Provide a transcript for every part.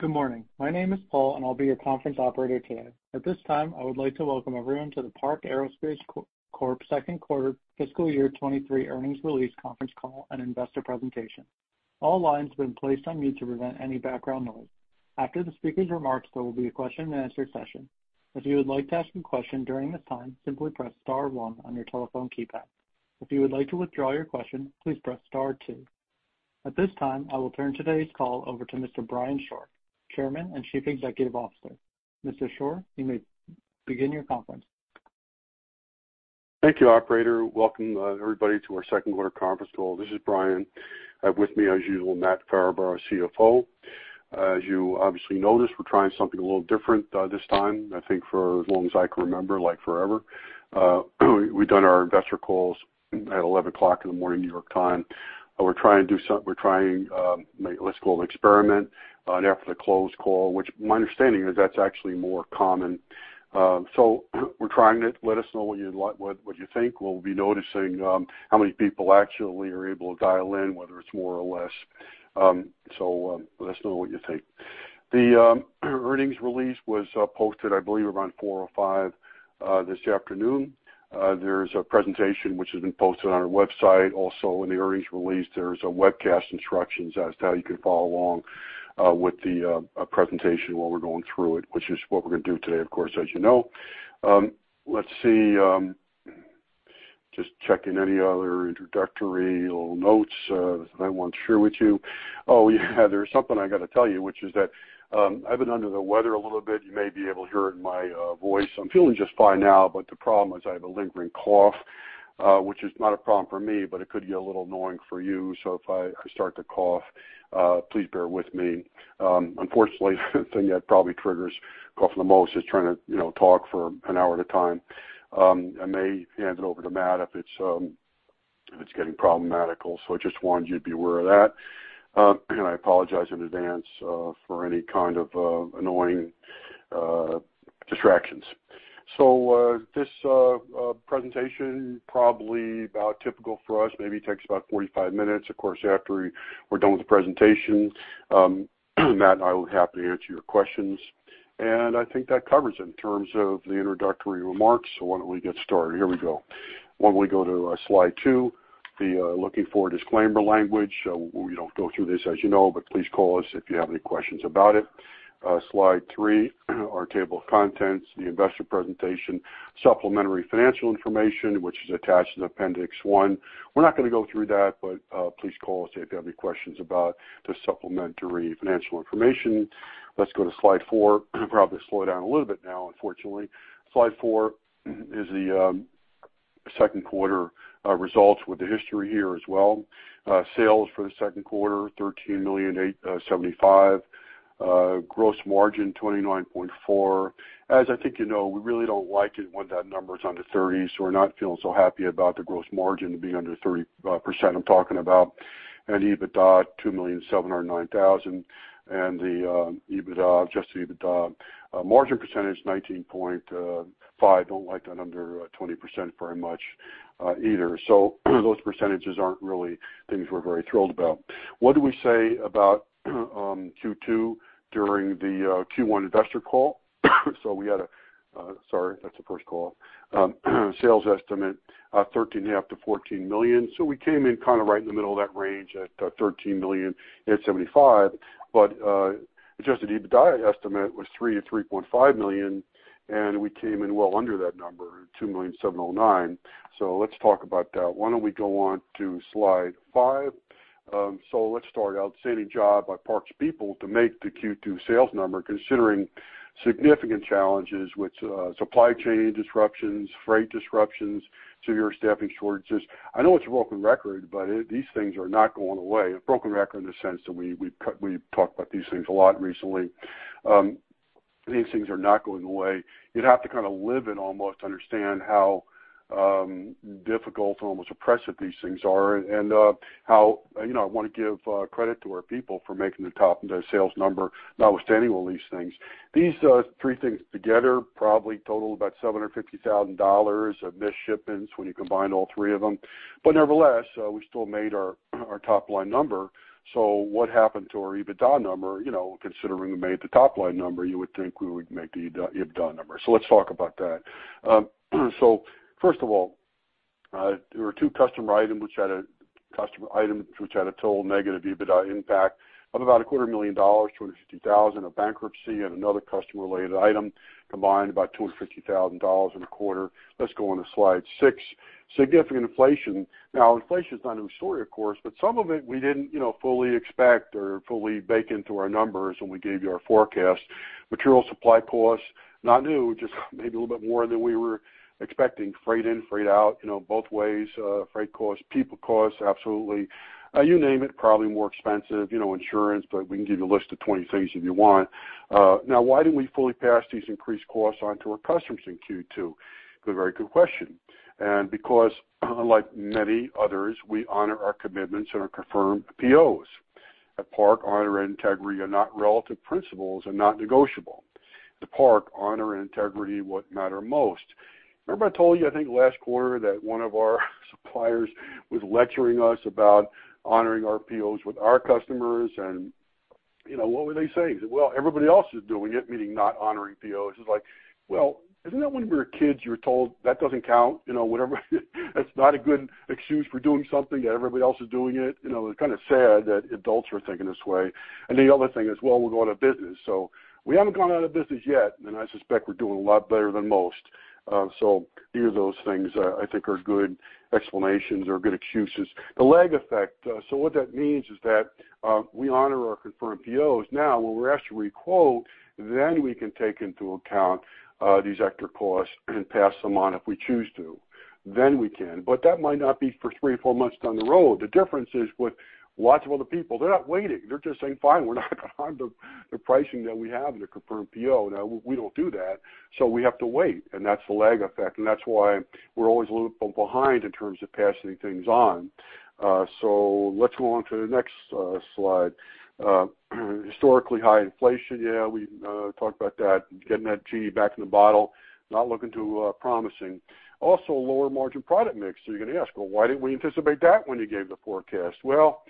Good morning. My name is Paul, and I'll be your conference operator today. At this time, I would like to welcome everyone to the Park Aerospace Corp. Second quarter fiscal year 2023 earnings release conference call and investor presentation. All lines have been placed on mute to prevent any background noise. After the speaker's remarks, there will be a question-and-answer session. If you would like to ask a question during this time, simply press star one on your telephone keypad. If you would like to withdraw your question, please press star two. At this time, I will turn today's call over to Mr. Brian Shore, Chairman and Chief Executive Officer. Mr. Shore, you may begin your conference. Thank you, operator. Welcome, everybody, to our second-quarter conference call. This is Brian. I have with me, as usual, Matt Farabaugh, our CFO. As you obviously noticed, we're trying something a little different this time. I think for as long as I can remember, like forever, we've done our investor calls at 11:00 AM in the morning, New York time. We're trying an experiment, an after-the-close call, which my understanding is that's actually more common. We're trying it. Let us know what you like, what you think. We'll be noticing how many people actually are able to dial in, whether it's more or less. Let us know what you think. The earnings release was posted, I believe, around 4:00 PM or 5:00 PM this afternoon. There's a presentation which has been posted on our website. Also, in the earnings release, there's webcast instructions as to how you can follow along with the presentation while we're going through it, which is what we're gonna do today, of course, as you know. Let's see, just checking any other introductory little notes that I want to share with you. Oh, yeah, there's something I got to tell you, which is that I've been under the weather a little bit. You may be able to hear it in my voice. I'm feeling just fine now, but the problem is I have a lingering cough, which is not a problem for me, but it could get a little annoying for you. If I start to cough, please bear with me. Unfortunately, the thing that probably triggers cough the most is trying to, you know, talk for an hour at a time. I may hand it over to Matt if it's getting problematical. I just wanted you to be aware of that. I apologize in advance for any kind of annoying distractions. This presentation probably about typical for us, maybe takes about 45 minutes. Of course, after we're done with the presentation, Matt and I will be happy to answer your questions. I think that covers it in terms of the introductory remarks. Why don't we get started? Here we go. Why don't we go to slide two? Looking for a disclaimer language. We don't go through this, as you know, but please call us if you have any questions about it. Slide three, our table of contents, the investor presentation, supplementary financial information, which is attached in Appendix 1. We're not gonna go through that, but please call us if you have any questions about the supplementary financial information. Let's go to slide four. Probably slow down a little bit now, unfortunately. Slide four is the second quarter results with the history here as well. Sales for the second quarter, $13.875 million. Gross margin, 29.4%. As I think you know, we really don't like it when that number is under 30, so we're not feeling so happy about the gross margin being under 30%. I'm talking about an EBITDA, $2.709 million. The EBITDA, adjusted EBITDA, margin percentage, 19.5%. Don't like that under 20% very much, either. Those percentages aren't really things we're very thrilled about. What did we say about Q2 during the Q1 investor call? We had a sales estimate $13.5 million-$14 million. We came in kind of right in the middle of that range at $13.075 million. Adjusted EBITDA estimate was $3 million-$3.5 million, and we came in well under that number at $2.709 million. Let's talk about that. Why don't we go on to slide five? Let's start. Outstanding job by Park's people to make the Q2 sales number, considering significant challenges with supply chain disruptions, freight disruptions, severe staffing shortages. I know it's a broken record, but these things are not going away. A broken record in the sense that we've talked about these things a lot recently. These things are not going away. You'd have to kind of live it almost to understand how difficult and almost oppressive these things are. You know, I wanna give credit to our people for making the top of their sales number, notwithstanding all these things. These three things together probably total about $750,000 of missed shipments when you combine all three of them. Nevertheless, we still made our top-line number. What happened to our EBITDA number? You know, considering we made the top-line number, you would think we would make the EBITDA number. Let's talk about that. First of all, there were two customer items which had a total negative EBITDA impact of about a quarter million dollars, $250,000, a bankruptcy and another customer-related item combined about $250,000 in the quarter. Let's go on to slide six. Significant inflation. Now, inflation is not a new story, of course, but some of it we didn't, you know, fully expect or fully bake into our numbers when we gave you our forecast. Material supply costs, not new, just maybe a little bit more than we were expecting. Freight in, freight out, you know, both ways, freight costs, people costs, absolutely. You name it, probably more expensive, you know, insurance, but we can give you a list of 20 things if you want. Now, why didn't we fully pass these increased costs on to our customers in Q2? Good, very good question. Because, like many others, we honor our commitments and our confirmed POs. At Park, honor and integrity are not relative principles and not negotiable. The Park honor and integrity, what matter most. Remember I told you, I think last quarter that one of our suppliers was lecturing us about honoring our POs with our customers and, you know, what were they saying? He said, "Well, everybody else is doing it." Meaning not honoring POs. It's like, well, isn't that when we were kids you were told that doesn't count. You know, whatever. That's not a good excuse for doing something that everybody else is doing it. You know, it's kind of sad that adults are thinking this way. The other thing is, well, we'll go out of business. We haven't gone out of business yet, and I suspect we're doing a lot better than most. Neither of those things, I think, are good explanations or good excuses. The lag effect, what that means is that, we honor our confirmed POs now. When we're asked to requote, then we can take into account, these extra costs and pass them on if we choose to, then we can. That might not be for three or four months down the road. The difference is with lots of other people, they're not waiting. They're just saying, "Fine, we're not gonna honor the pricing that we have in the confirmed PO." Now, we don't do that, so we have to wait, and that's the lag effect, and that's why we're always a little bit behind in terms of passing things on. Let's go on to the next slide. Historically high inflation. Yeah, we talked about that. Getting that genie back in the bottle, not looking too promising. Also, lower margin product mix. You're gonna ask, "Well, why didn't we anticipate that when you gave the forecast?" Well,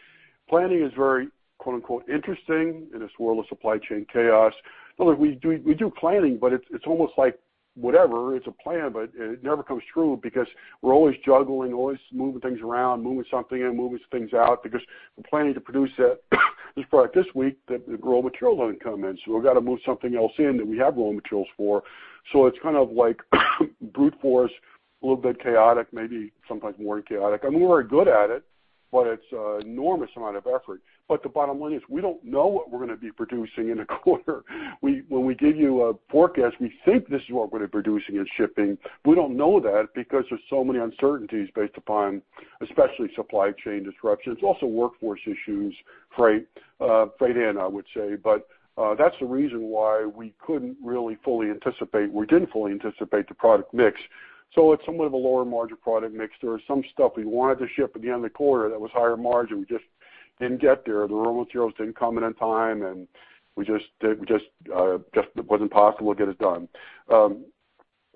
planning is very quote-unquote interesting in this world of supply chain chaos. Well, look, we do planning, but it's almost like whatever, it's a plan, but it never comes true because we're always juggling, always moving things around, moving something in, moving things out because we're planning to produce it this product this week that the raw materials haven't come in, so we've gotta move something else in that we have raw materials for. It's kind of like brute force, a little bit chaotic, maybe sometimes more chaotic. I mean, we're good at it, but it's an enormous amount of effort. The bottom line is we don't know what we're gonna be producing in a quarter. When we give you a forecast, we think this is what we're producing and shipping. We don't know that because there's so many uncertainties based upon especially supply chain disruptions. Also workforce issues, freight in, I would say. That's the reason why we couldn't really fully anticipate or didn't fully anticipate the product mix. It's somewhat of a lower margin product mix. There was some stuff we wanted to ship at the end of the quarter that was higher margin. We just didn't get there. The raw materials didn't come in on time, and it wasn't possible to get it done.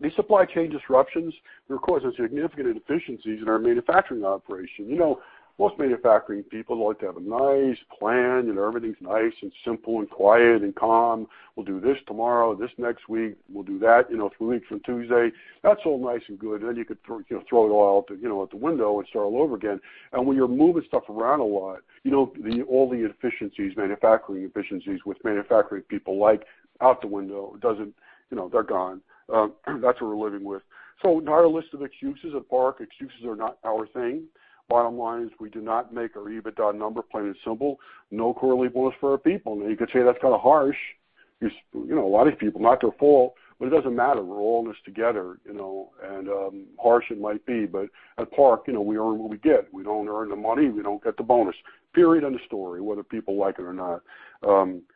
These supply chain disruptions they're causing significant inefficiencies in our manufacturing operation. You know, most manufacturing people like to have a nice plan, and everything's nice and simple and quiet and calm. We'll do this tomorrow, this next week. We'll do that, you know, three weeks from Tuesday. That's all nice and good. You could throw, you know, it all out the window and start all over again. When you're moving stuff around a lot, you know, all the efficiencies, manufacturing efficiencies which manufacturing people like, out the window. It doesn't, you know, they're gone. That's what we're living with. Not a list of excuses at Park. Excuses are not our thing. Bottom line is we did not make our EBITDA number, plain and simple. No quarterly bonus for our people. Now you could say that's kind of harsh. You know, a lot of people, not their fault, but it doesn't matter. We're all in this together, you know, and harsh it might be, but at Park, you know, we earn what we get. We don't earn the money, we don't get the bonus, period. End of story, whether people like it or not.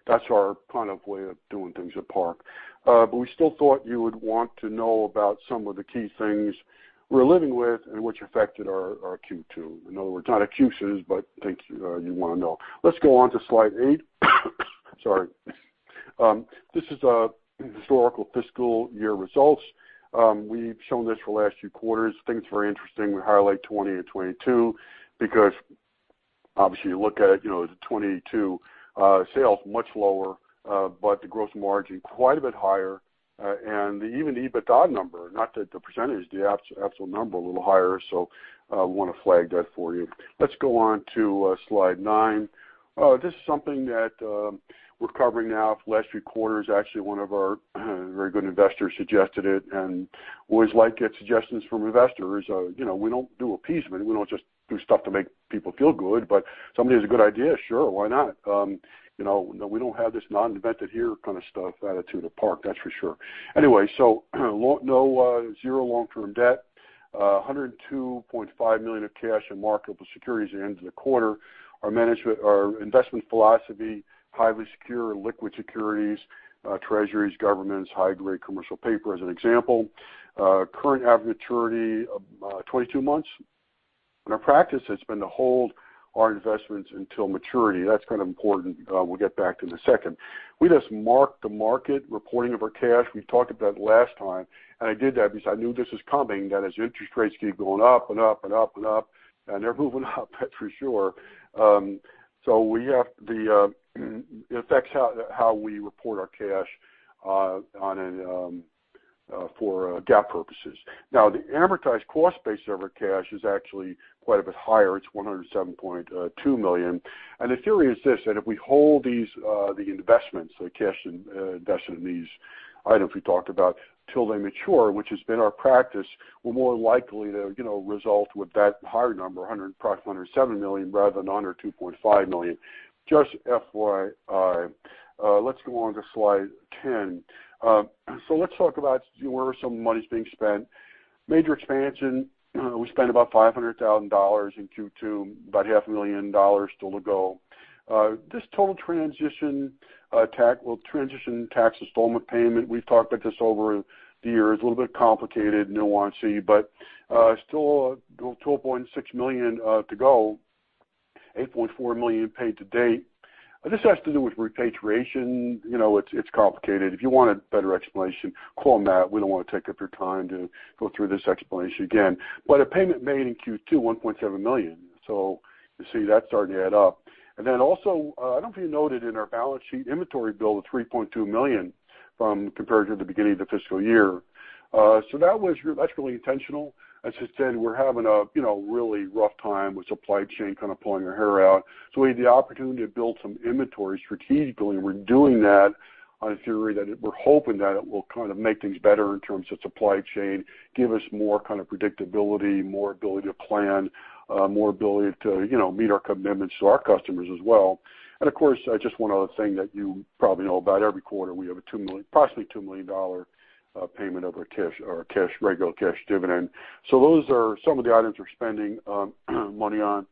That's our kind of way of doing things at Park. We still thought you would want to know about some of the key things we're living with and which affected our Q2. In other words, not excuses, but things you wanna know. Let's go on to slide eight. Sorry. This is historical fiscal year results. We've shown this for the last few quarters. Think it's very interesting. We highlight 2020 and 2022 because obviously you look at it, you know, the 2022 sales much lower, but the gross margin quite a bit higher. And even the EBITDA number, not the percentage, the absolute number a little higher. Wanna flag that for you. Let's go on to slide nine. This is something that we're covering now for the last few quarters. Actually, one of our very good investors suggested it, and we always like to get suggestions from investors. You know, we don't do appeasement. We don't just do stuff to make people feel good, but if somebody has a good idea, sure, why not? You know, no, we don't have this not invented here kind of stuff attitude at Park, that's for sure. Anyway, zero long-term debt. $102.5 million of cash and marketable securities at the end of the quarter. Our management, our investment philosophy, highly secure and liquid securities, treasuries, governments, high-grade commercial paper as an example. Current average maturity, 22 months. Our practice has been to hold our investments until maturity. That's kind of important. We'll get back to in a second. We just mark-to-market reporting of our cash. We talked about it last time, and I did that because I knew this was coming, that as interest rates keep going up, and they're moving up for sure. It affects how we report our cash for GAAP purposes. Now, the amortized cost base of our cash is actually quite a bit higher. It's $107.2 million. The theory is this, that if we hold these investments, the cash invested in these items we talked about till they mature, which has been our practice, we're more likely to, you know, result with that higher number, approximately $107 million rather than $2.5 million. Just FYI. Let's go on to slide 10. Let's talk about where some money's being spent. Major expansion, we spent about $500,000 in Q2, about half a million dollars still to go. This total transition tax installment payment, we've talked about this over the years. A little bit complicated and nuanced, see, but still $12.6 million to go. $8.4 million paid to date. This has to do with repatriation. You know, it's complicated. If you want a better explanation, call Matt. We don't wanna take up your time to go through this explanation again. A payment made in Q2, $1.7 million. You see that starting to add up. I don't know if you noted in our balance sheet, inventory build of $3.2 million compared to the beginning of the fiscal year. That's really intentional. As I said, we're having a, you know, really rough time with supply chain, kinda pulling our hair out. We had the opportunity to build some inventory strategically. We're doing that on a theory that we're hoping that it will kind of make things better in terms of supply chain, give us more kind of predictability, more ability to plan, more ability to, you know, meet our commitments to our customers as well. Of course, just one other thing that you probably know about every quarter, we have a approximately $2 million payment of our regular cash dividend. Those are some of the items we're spending money on,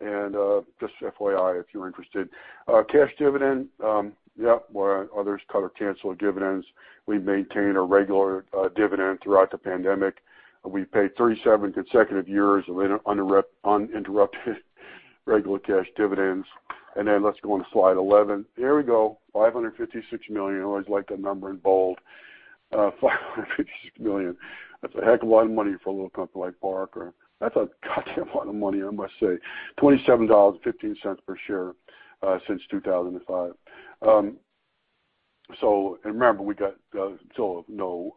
and just FYI, if you're interested. Cash dividend, yep, where others cut or cancel dividends, we maintain a regular dividend throughout the pandemic. We've paid 37 consecutive years of uninterrupted regular cash dividends. Then let's go on to slide 11. Here we go, $556 million. I always like that number in bold. $556 million. That's a heck of a lot of money for a little company like Park. That's a goddamn lot of money, I must say. $27.15 per share since 2005. Remember, we still have no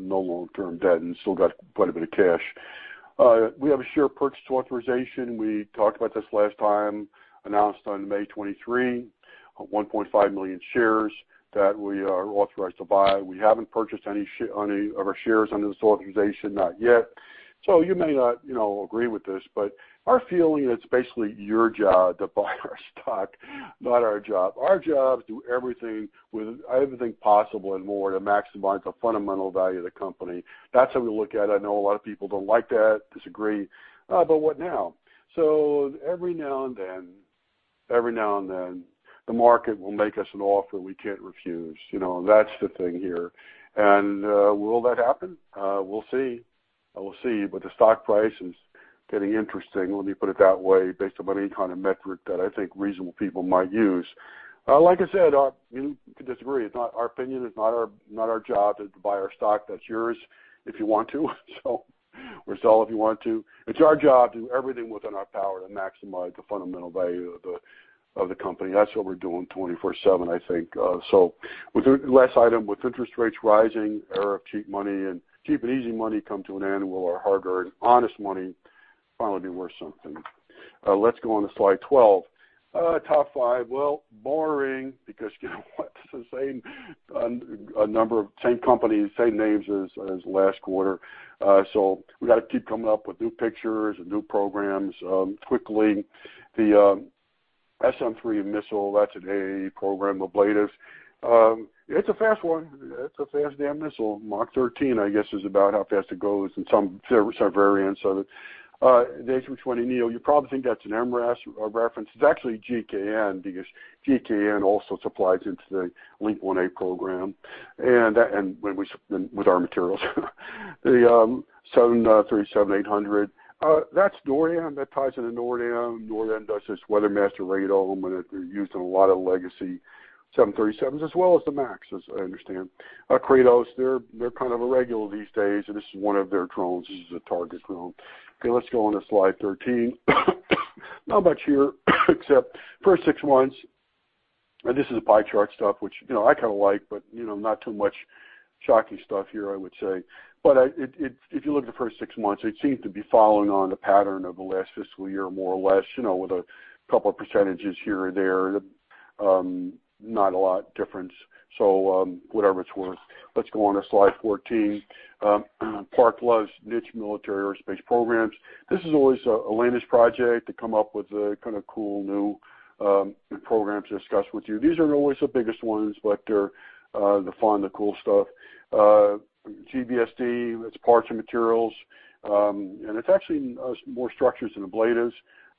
long-term debt and still got quite a bit of cash. We have a share purchase authorization. We talked about this last time, announced on May 23, 1.5 million shares that we are authorized to buy. We haven't purchased any of our shares under this authorization, not yet. You may not, you know, agree with this, but our feeling is it's basically your job to buy our stock, not our job. Our job, do everything possible and more to maximize the fundamental value of the company. That's how we look at it. I know a lot of people don't like that, disagree. What now? Every now and then, the market will make us an offer we can't refuse. You know, that's the thing here. Will that happen? We'll see. The stock price is getting interesting, let me put it that way, based on any kind of metric that I think reasonable people might use. Like I said, you can disagree. It's not our opinion. It's not our job to buy our stock. That's yours, if you want to. Or sell if you want to. It's our job, do everything within our power to maximize the fundamental value of the company. That's what we're doing 24/7, I think. With the last item, with interest rates rising, era of cheap and easy money come to an end. Will our hard-earned, honest money finally be worth something? Let's go on to slide 12. Top five. Well, boring because, you know what? It's the same number of same companies, same names as last quarter. We gotta keep coming up with new pictures and new programs quickly. The SM-3 missile, that's an AE program, Ablative. It's a fast one. It's a fast damn missile. Mach 13, I guess, is about how fast it goes in some variants of it. The A320neo. You probably think that's an MRAS reference. It's actually GKN Aerospace because GKN Aerospace also supplies into the LEAP-1A program with our materials. The 737-800. That's Nordam. That ties into Nordam. Nordam does this WeatherMASTER Radome, and they're used in a lot of Boeing 737 Legacy Aircraft as well as the MAXes, I understand. Kratos, they're kind of a regular these days, and this is one of their drones. This is a target drone. Okay, let's go on to slide 13. Not much here except first six months. This is the pie chart stuff, which, you know, I kinda like, but, you know, not too much shocking stuff here, I would say. If you look at the first six months, it seems to be following on the pattern of the last fiscal year, more or less, you know, with a couple of percentages here and there. Not a lot difference. Whatever it's worth. Let's go on to slide 14. Park loves niche military or space programs. This is always Elena's project to come up with the kind of cool new programs to discuss with you. These aren't always the biggest ones, but they're the fun, the cool stuff. GBSD, that's parts and materials. It's actually more structures than ablatives.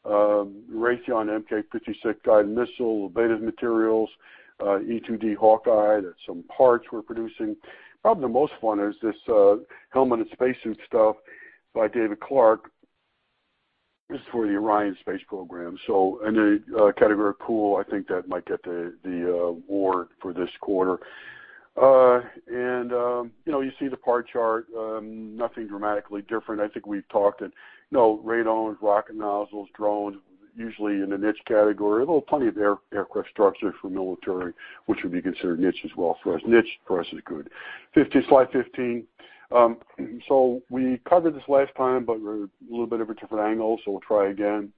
Raytheon MK56 Guided Missile, ablative materials, E-2D Hawkeye, that's some parts we're producing. Probably the most fun is this, helmet and spacesuit stuff by David Clark. This is for the Orion space program. In a category pool, I think that might get the award for this quarter. You know, you see the part chart, nothing dramatically different. I think we've talked, you know, Radomes, rocket nozzles, drones, usually in the niche category. Well, plenty of aircraft structures for military, which would be considered niche as well for us. Niche for us is good. Slide 15. We covered this last time, but we're a little bit of a different angle, so we'll try again,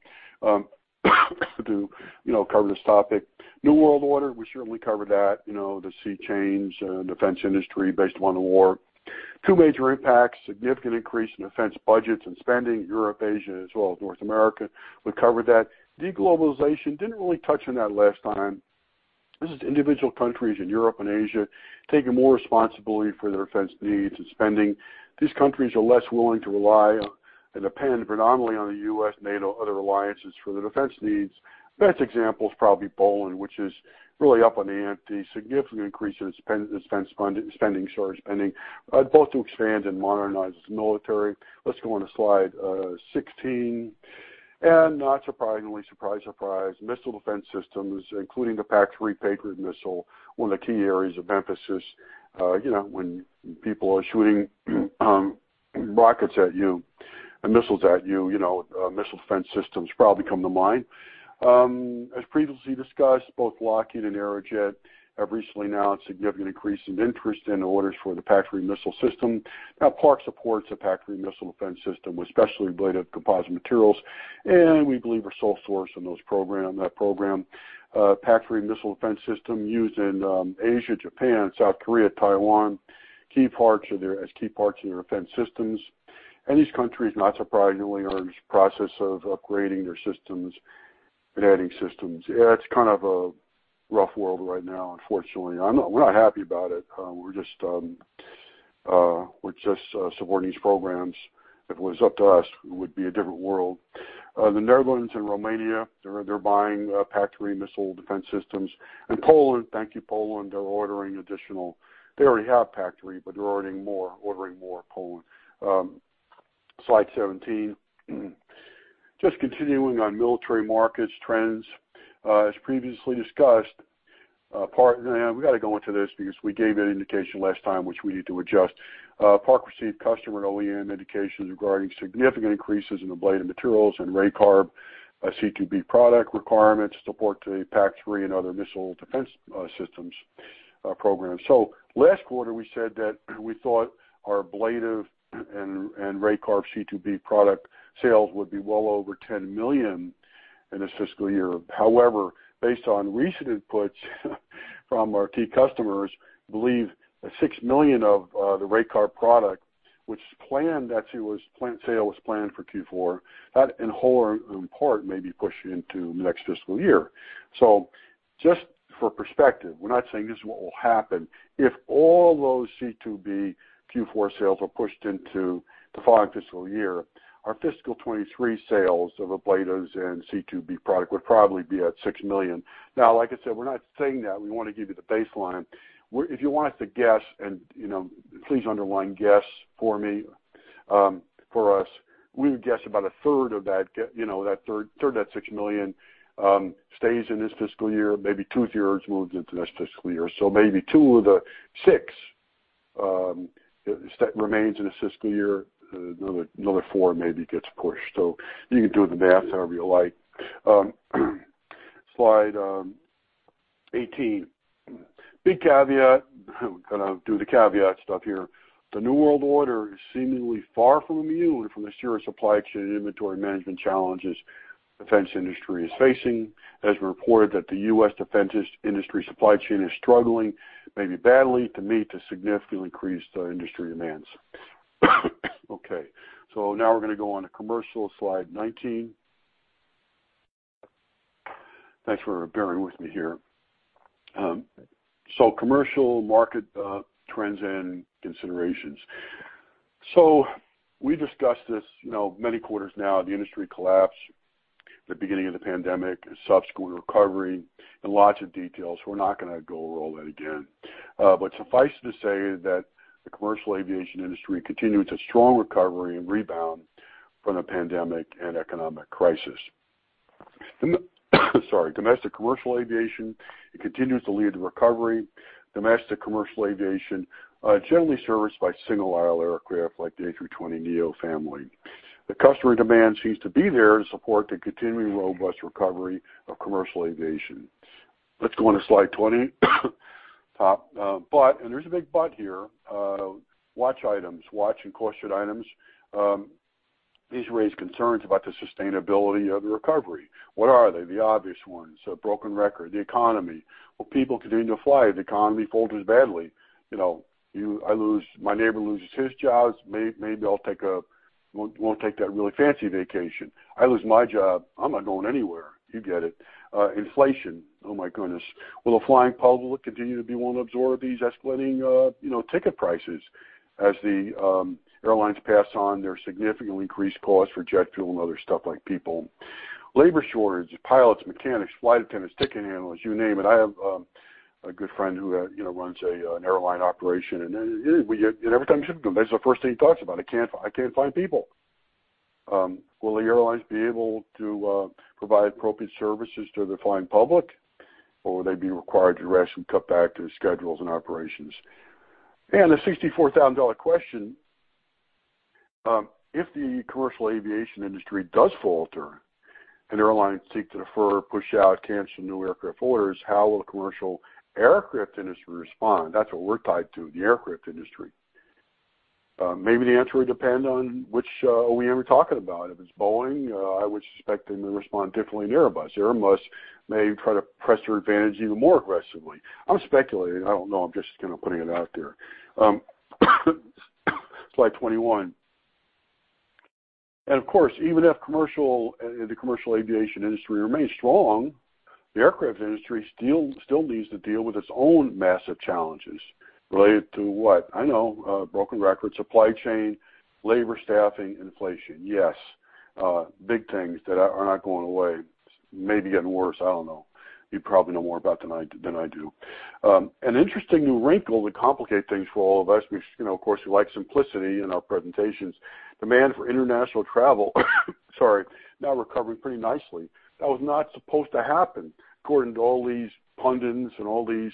to you know, cover this topic. New World Order, we certainly covered that, you know, the sea change, defense industry based upon the war. Two major impacts, significant increase in defense budgets and spending, Europe, Asia, as well as North America. We covered that. Deglobalization, didn't really touch on that last time. This is individual countries in Europe and Asia taking more responsibility for their defense needs and spending. These countries are less willing to rely on and depend predominantly on the U.S., NATO, other alliances for their defense needs. Best example is probably Poland, which is really upping the ante. Significant increase in spending, both to expand and modernize its military. Let's go on to slide 16. Not surprisingly, surprise, missile defense systems, including the PAC-3 Patriot Missile, one of the key areas of emphasis. You know, when people are shooting rockets at you and missiles at you know, missile defense systems probably come to mind. As previously discussed, both Lockheed Martin and Aerojet Rocketdyne have recently announced significant increase in interest in orders for the PAC-3 Patriot Missile Defense System. Now, Park supports the PAC-3 Patriot Missile Defense System with specialty ablative composite materials, and we believe we're sole source on that program. PAC-3 Missile Defense System used in Asia, Japan, South Korea, Taiwan, as key parts in their defense systems. These countries, not surprisingly, are in this process of upgrading their systems and adding systems. Yeah, it's kind of a rough world right now, unfortunately. We're not happy about it. We're just supporting these programs. If it was up to us, it would be a different world. The Netherlands and Romania, they're buying PAC-3 Patriot Missile Defense Systems. Poland, thank you, Poland, they're ordering additional. They already have PAC-3, but they're ordering more, Poland. Slide 17. Just continuing on military market trends. As previously discussed, we gotta go into this because we gave an indication last time which we need to adjust. Park received customer and OEM indications regarding significant increases in ablative materials and RAYCARB C2B product requirement support to the PAC-3 and other missile defense systems programs. Last quarter, we said that we thought our ablative and RAYCARB C2B product sales would be well over $10 million in this fiscal year. However, based on recent inputs from our key customers, believe that $6 million of the RAYCARB product, sale was planned for Q4, that in whole or in part may be pushed into next fiscal year. Just for perspective, we're not saying this is what will happen. If all those C2B Q4 sales are pushed into the following fiscal year, our fiscal 2023 sales of ablatives and C2B product would probably be at $6 million. Now, like I said, we're not saying that. We wanna give you the baseline. If you want us to guess, and, you know, please underline guess for me, for us, we would guess about 1/3 of that, you know, a third of that $6 million stays in this fiscal year, maybe 2/3 moves into next fiscal year. Maybe $2 million of the $6 million remains in this fiscal year, another four maybe gets pushed. You can do the math however you like. Slide 18. Big caveat. Gonna do the caveat stuff here. The New World Order is seemingly far from immune from the serious supply chain and inventory management challenges defense industry is facing. It has been reported that the U.S. defense industry supply chain is struggling, maybe badly, to meet the significantly increased industry demands. Okay, now we're gonna go on to commercial, slide 19. Thanks for bearing with me here. Commercial market trends and considerations. We discussed this, you know, many quarters now, the industry collapse at the beginning of the pandemic, the subsequent recovery, and lots of details. We're not gonna go over all that again. Suffice to say that the commercial aviation industry continues a strong recovery and rebound from the pandemic and economic crisis. Domestic Commercial Aviation, it continues to lead the recovery. Domestic Commercial Aviation generally serviced by single-aisle aircraft like the A320neo family. The customer demand seems to be there to support the continuing robust recovery of commercial aviation. Let's go on to slide 20. There's a big but here, watch items. Watch and caution items, these raise concerns about the sustainability of the recovery. What are they? The obvious ones, a broken record, the economy. Will people continue to fly if the economy falters badly? You know, my neighbor loses his job, maybe I won't take that really fancy vacation. I lose my job, I'm not going anywhere. You get it. Inflation, oh my goodness. Will the flying public continue to be willing to absorb these escalating, you know, ticket prices as the airlines pass on their significantly increased cost for jet fuel and other stuff like people? Labor shortage, pilots, mechanics, flight attendants, ticket handlers, you name it. I have a good friend who, you know, runs an airline operation, and every time you sit with him, that's the first thing he talks about. "I can't find people." Will the airlines be able to provide appropriate services to the flying public? Or will they be required to ration, cut back their schedules and operations? The $64,000 question, if the commercial aviation industry does falter and airlines seek to defer, push out, cancel new aircraft orders, how will the commercial aircraft industry respond? That's what we're tied to, the aircraft industry. Maybe the answer will depend on which OEM we're talking about. If it's Boeing, I would suspect they may respond differently than Airbus. Airbus may try to press their advantage even more aggressively. I'm speculating, I don't know. I'm just kinda putting it out there. Slide 21. Of course, even if commercial and the commercial aviation industry remains strong. The aircraft industry still needs to deal with its own massive challenges related to what? I know, broken record, supply chain, labor staffing, inflation. Yes, big things that are not going away. Maybe getting worse. I don't know. You probably know more about than I do. An interesting new wrinkle to complicate things for all of us, which, you know, of course, we like simplicity in our presentations. Demand for international travel, sorry, now recovering pretty nicely. That was not supposed to happen according to all these pundits and all these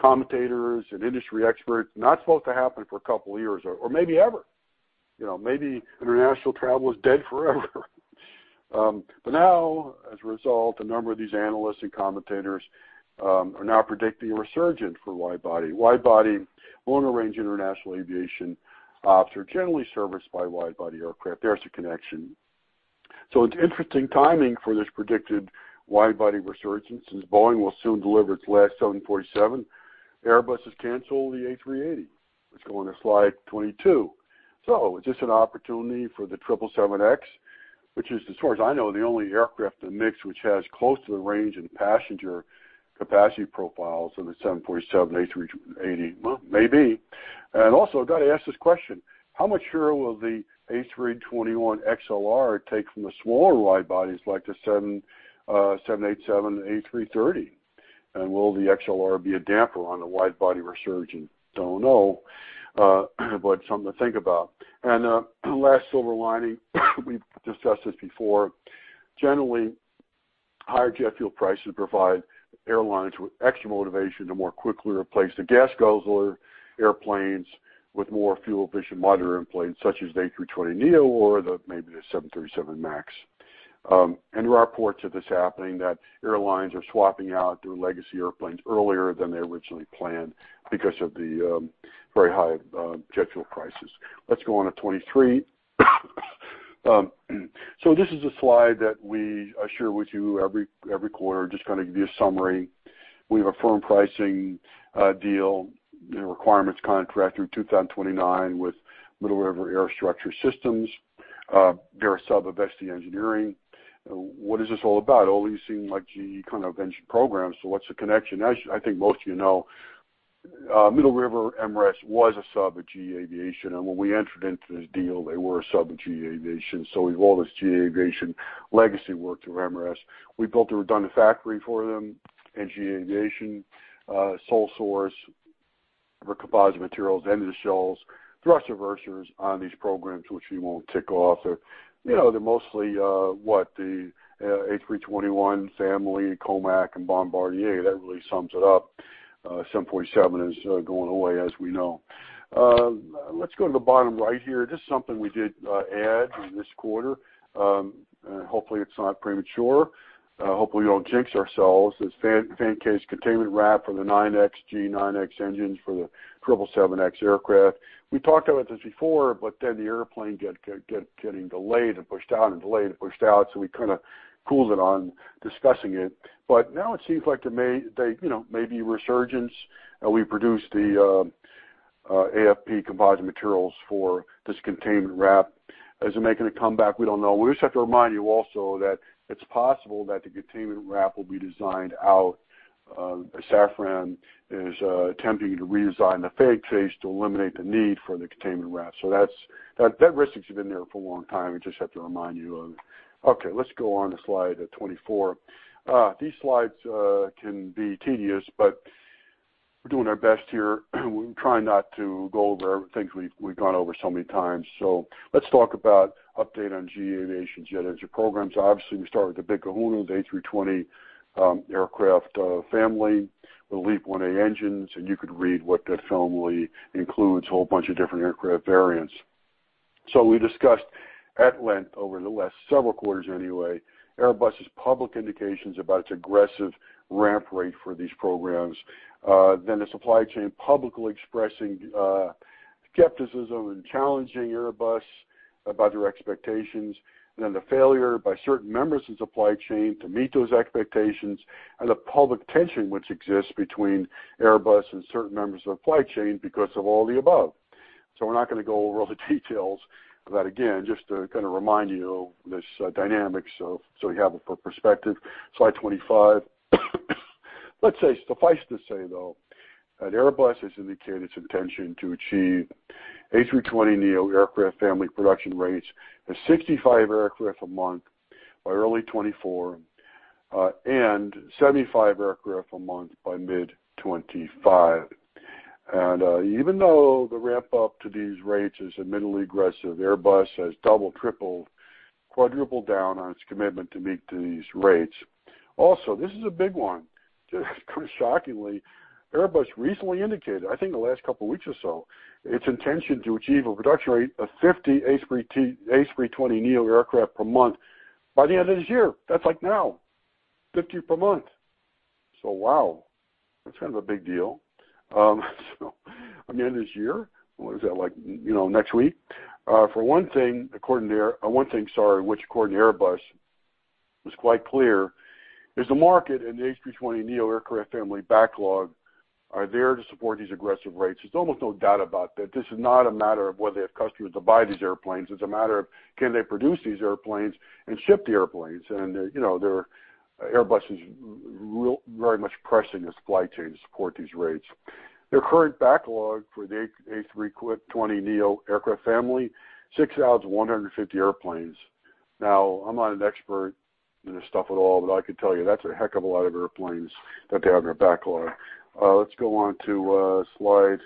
commentators and industry experts. Not supposed to happen for a couple of years or maybe ever. You know, maybe international travel is dead forever. Now, as a result, a number of these analysts and commentators are now predicting a resurgence for widebody. Wide-body, long-range international aviation are generally serviced by widebody aircraft. There's the connection. It's interesting timing for this predicted widebody resurgence, since Boeing will soon deliver its last Boeing 747. Airbus has canceled the A380. Let's go on to slide 22. Is this an opportunity for the B777X? Which is, as far as I know, the only aircraft in the mix which has close to the range and passenger capacity profiles of the 747-8. Well, maybe. Got to ask this question: How much share will the A321XLR take from the smaller widebodies like the B787 and A330? Will the XLR be a damper on the widebody resurgence? Don't know, but something to think about. Last silver lining, we've discussed this before. Generally, higher jet fuel prices provide airlines with extra motivation to more quickly replace the gas guzzler airplanes with more fuel-efficient, modern airplanes such as the A320neo or maybe the Boeing 737 MAX. There are reports of this happening, that airlines are swapping out their legacy airplanes earlier than they originally planned because of the very high jet fuel prices. Let's go on to 23. This is a slide that we share with you every quarter, just kind of give you a summary. We have a firm pricing, deal and requirements contract through 2029 with Middle River Aerostructure Systems, they're a sub of ST Engineering MRAS. What is this all about? All these seem like GE kind of engine programs, so what's the connection? As I think most of you know, Middle River, MRAS, was a sub of GE Aviation, and when we entered into this deal, they were a sub of GE Aviation. We've all this GE Aviation legacy work through MRAS. We built a redundant factory for them, and GE Aviation, sole source for composite materials and the shells, thrust reversers on these programs, which we won't tick off. They're, you know, they're mostly, what, the A321 family, COMAC and Bombardier. That really sums it up. Boeing 747 is going away, as we know. Let's go to the bottom right here. Just something we did add in this quarter, and hopefully it's not premature. Hopefully we don't jinx ourselves. This fan case containment wrap for the 9X, GE9X engines for the 777X aircraft. We talked about this before, but then the airplane getting delayed and pushed out and delayed and pushed out, so we kind of cooled it on discussing it. Now it seems like it may, you know, be resurgence. We produce the AFP composite materials for this containment wrap. Is it making a comeback? We don't know. We just have to remind you also that it's possible that the containment wrap will be designed out, as Safran is attempting to redesign the fan case to eliminate the need for the containment wrap. That's that risk's been there for a long time. Okay, let's go on to slide 24. These slides can be tedious, but we're doing our best here. We're trying not to go over things we've gone over so many times. Let's talk about update on GE Aviation's jet engine programs. Obviously, we start with the big kahuna, the A320 aircraft family, the LEAP-1A engines, and you could read what that family includes, whole bunch of different aircraft variants. We discussed at length over the last several quarters anyway, Airbus' public indications about its aggressive ramp rate for these programs. Then the supply chain publicly expressing skepticism and challenging Airbus about their expectations, and then the failure by certain members of the supply chain to meet those expectations. The public tension which exists between Airbus and certain members of the supply chain because of all the above. We're not gonna go over all the details of that again, just to kind of remind you this dynamics, so you have it for perspective. Slide 25. Suffice to say, though, that Airbus has indicated its intention to achieve A320neo aircraft family production rates of 65 aircraft a month by early 2024, and 75 aircraft a month by mid 2025. Even though the ramp-up to these rates is admittedly aggressive, Airbus has doubled, tripled, quadrupled down on its commitment to meet these rates. Also, this is a big one. Just kind of shockingly, Airbus recently indicated, I think in the last couple weeks or so, its intention to achieve a production rate of 50 A320neo aircraft per month by the end of this year. That's like now, 50 per month. Wow, that's kind of a big deal. By the end of this year? What is that like, you know, next week? For one thing, which according to Airbus was quite clear, is the market and the A320neo aircraft family backlog are there to support these aggressive rates, there's almost no doubt about that. This is not a matter of whether they have customers to buy these airplanes. It's a matter of can they produce these airplanes and ship the airplanes. You know, they're. Airbus is really very much pressing the supply chain to support these rates. Their current backlog for the A320neo aircraft family, 6 out of 150 airplanes. Now, I'm not an expert in this stuff at all, but I can tell you that's a heck of a lot of airplanes that they have in their backlog. Let's go on to slide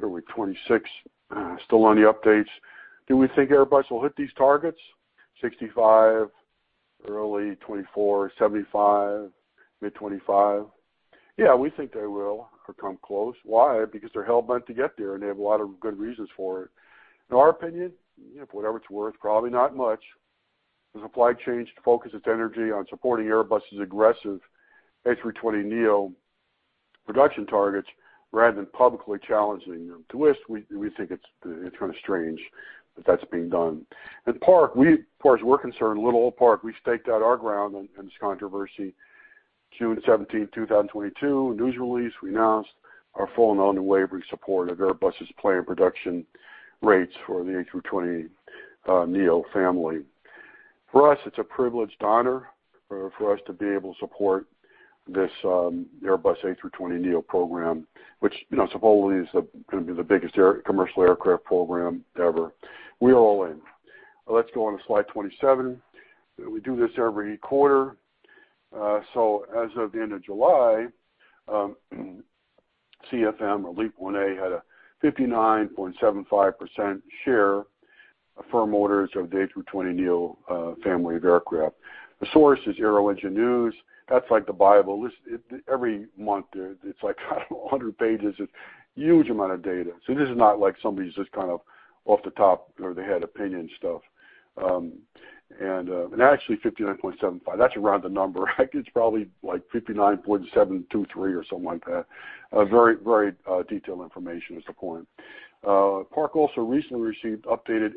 number 26. Still on the updates. Do we think Airbus will hit these targets, 65 early 2024, 75 mid 2025? Yeah, we think they will or come close. Why? Because they're hell-bent to get there, and they have a lot of good reasons for it. In our opinion, you know, for whatever it's worth, probably not much. The supply chain should focus its energy on supporting Airbus' aggressive A320neo production targets rather than publicly challenging them. To us, we think it's kind of strange that that's being done. At Park, far as we're concerned, little old Park, we staked out our ground in this controversy June 17, 2022. News release, we announced our full and unwavering support of Airbus' planned production rates for the A320neo family. For us, it's a privileged honor for us to be able to support this Airbus A320neo program, which, you know, supposedly is gonna be the biggest commercial aircraft program ever. We're all in. Let's go on to slide 27. We do this every quarter. So as of the end of July, CFM LEAP-1A had a 59.75% share of firm orders of the A320neo family of aircraft. The source is Aeroengine News. That's like the Bible. Every month there, it's like, I don't know, 100 pages of huge amount of data. This is not like somebody's just kind of off the top of their head opinion stuff. Actually, 59.75%, that's around the number. It's probably like 59.723% or something like that. A very, very detailed information is the point. Park also recently received updated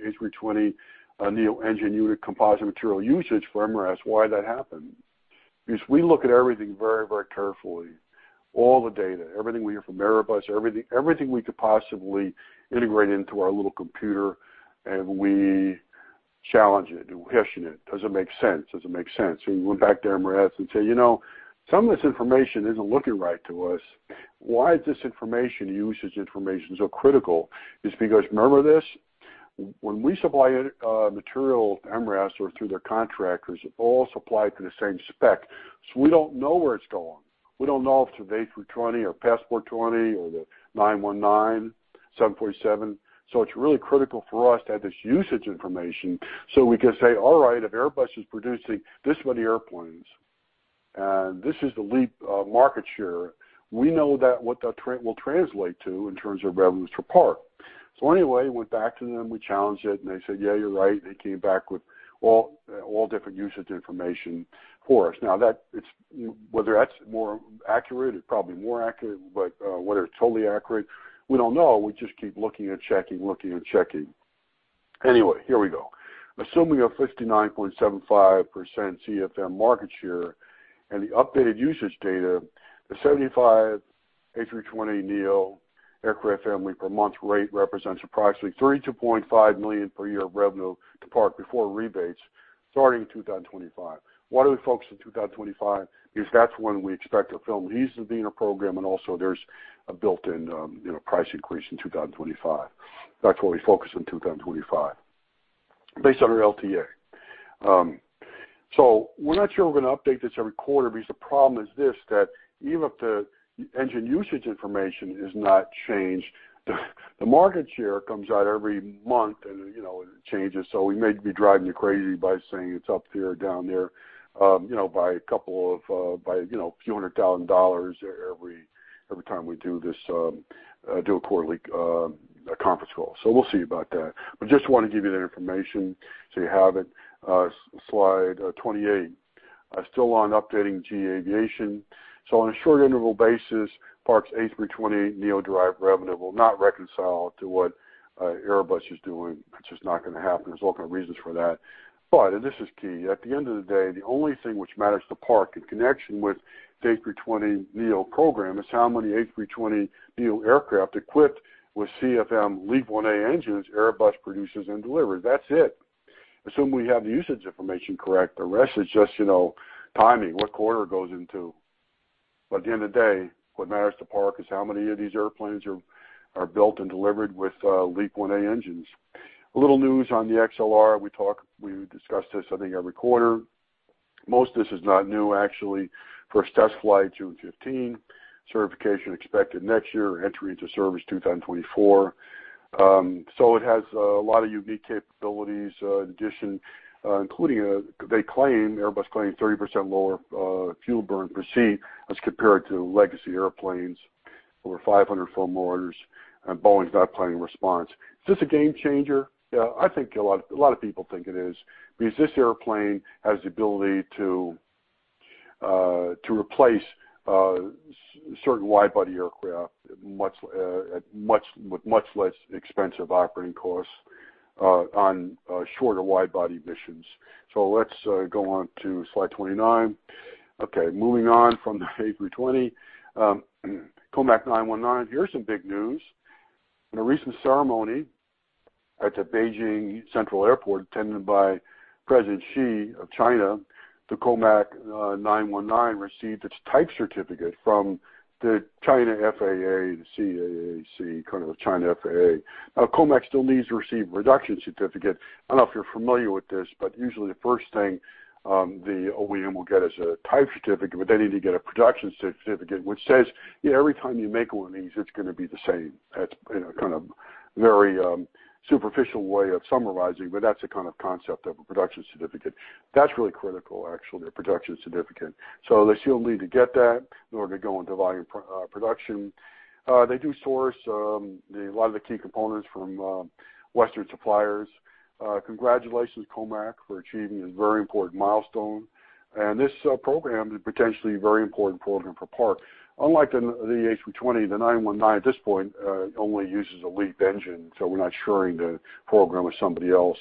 A320neo engine unit composite material usage from MRAS. Why'd that happen? Because we look at everything very, very carefully, all the data, everything we hear from Airbus, everything we could possibly integrate into our little computer, and we challenge it, and we question it. Does it make sense? We went back to MRAS and said, "You know, some of this information isn't looking right to us." Why is this information, usage information, so critical? It's because, remember this, when we supply material to MRAS or through their contractors, all supplied to the same spec. We don't know where it's going. We don't know if it's the A320 or Passport 20 or the Comac C919, Boeing 747. It's really critical for us to have this usage information, so we can say, "All right, if Airbus is producing this many airplanes, and this is the LEAP market share, we know that what the trend will translate to in terms of revenues for Park." Anyway, went back to them, we challenged it, and they said, "Yeah, you're right." They came back with all different usage information for us. Now that it's whether that's more accurate, it's probably more accurate, but whether it's totally accurate, we don't know. We just keep looking and checking. Anyway, here we go. Assuming a 59.75% CFM market share and the updated usage data, the 75 A320neo aircraft family per month rate represents approximately $32.5 million per year of revenue to Park before rebates starting in 2025. Why do we focus on 2025? That's when we expect to fill the needs of the inner program, and also there's a built-in, you know, price increase in 2025. That's why we focus on 2025, based on our LTA. We're not sure we're gonna update this every quarter because the problem is this, that even if the engine usage information is not changed, the market share comes out every month, and, you know, it changes. We may be driving you crazy by saying it's up here, down there, you know, by a few hundred thousand dollars every time we do this quarterly conference call. We'll see about that. Just wanna give you that information, so you have it. Slide 28, still on updating GE Aviation. On a short interval basis, Park's A320neo derived revenue will not reconcile to what Airbus is doing. It's just not gonna happen. There's all kind of reasons for that. This is key, at the end of the day, the only thing which matters to Park in connection with the A320neo program is how many A320neo aircraft equipped with CFM LEAP-1A engines Airbus produces and delivers. That's it. Assume we have the usage information correct. The rest is just, you know, timing, what quarter it goes into. At the end of the day, what matters to Park is how many of these airplanes are built and delivered with LEAP-1A engines. A little news on the A321XLR. We talk, we discuss this, I think, every quarter. Most of this is not new, actually. First test flight, June 15. Certification expected next year. Entry into service, 2024. It has a lot of unique capabilities, in addition, including, they claim, Airbus claims 30% lower fuel burn per seat as compared to legacy airplanes. Over 500 firm orders, and Boeing's not planning a response. Is this a game changer? Yeah, I think a lot of people think it is, because this airplane has the ability to replace certain wide-body aircraft much with much less expensive operating costs on shorter wide-body missions. Let's go on to slide 29. Okay, moving on from the A320. COMAC C919, here's some big news. In a recent ceremony at the Beijing Capital Airport attended by President Xi of China, the COMAC C919 received its type certificate from the China FAA, the CAAC, kind of the China FAA. Now, COMAC still needs to receive production certificate. I don't know if you're familiar with this, but usually the first thing, the OEM will get is a type certificate, but they need to get a production certificate which says, "Yeah, every time you make one of these, it's gonna be the same." That's, you know, kind of very, superficial way of summarizing, but that's the kind of concept of a production certificate. That's really critical, actually, a production certificate. They still need to get that in order to go into volume production. They do source a lot of the key components from Western suppliers. Congratulations, COMAC, for achieving a very important milestone. This program is potentially a very important program for Park. Unlike the A320, the COMAC C919 at this point only uses a LEAP engine, so we're not sharing the program with somebody else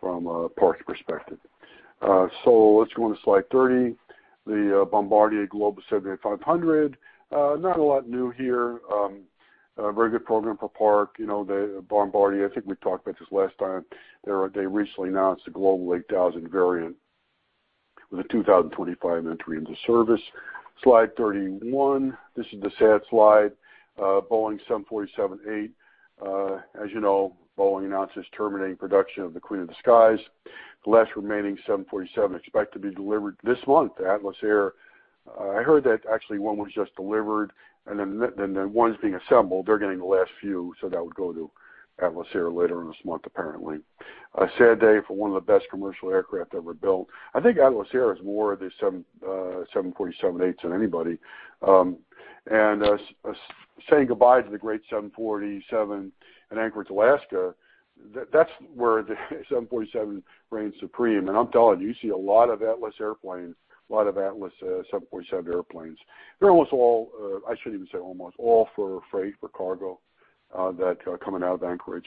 from a Park perspective. Let's go on to slide 30. The Bombardier Global 7500. Not a lot new here. A very good program for Park. You know, the Bombardier, I think we talked about this last time. They recently announced the Bombardier Global 8000 variant with a 2025 entry into service. Slide 31. This is the sad slide. Boeing 747-8. As you know, Boeing announces terminating production of the Queen of the Skies. The last remaining Boeing 747 expected to be delivered this month to Atlas Air. I heard that actually one was just delivered, and then the ones being assembled, they're getting the last few, so that would go to Atlas Air later on this month, apparently. A sad day for one of the best commercial aircraft ever built. I think Atlas Air has more of the 747-8s than anybody. Saying goodbye to the great Boeing 747 in Anchorage, Alaska. That's where the Boeing 747 reigns supreme. I'm telling you see a lot of Atlas airplanes, a lot of Atlas Air Boeing 747 airplanes. They're almost all, I shouldn't even say almost, all for freight, for cargo that are coming out of Anchorage.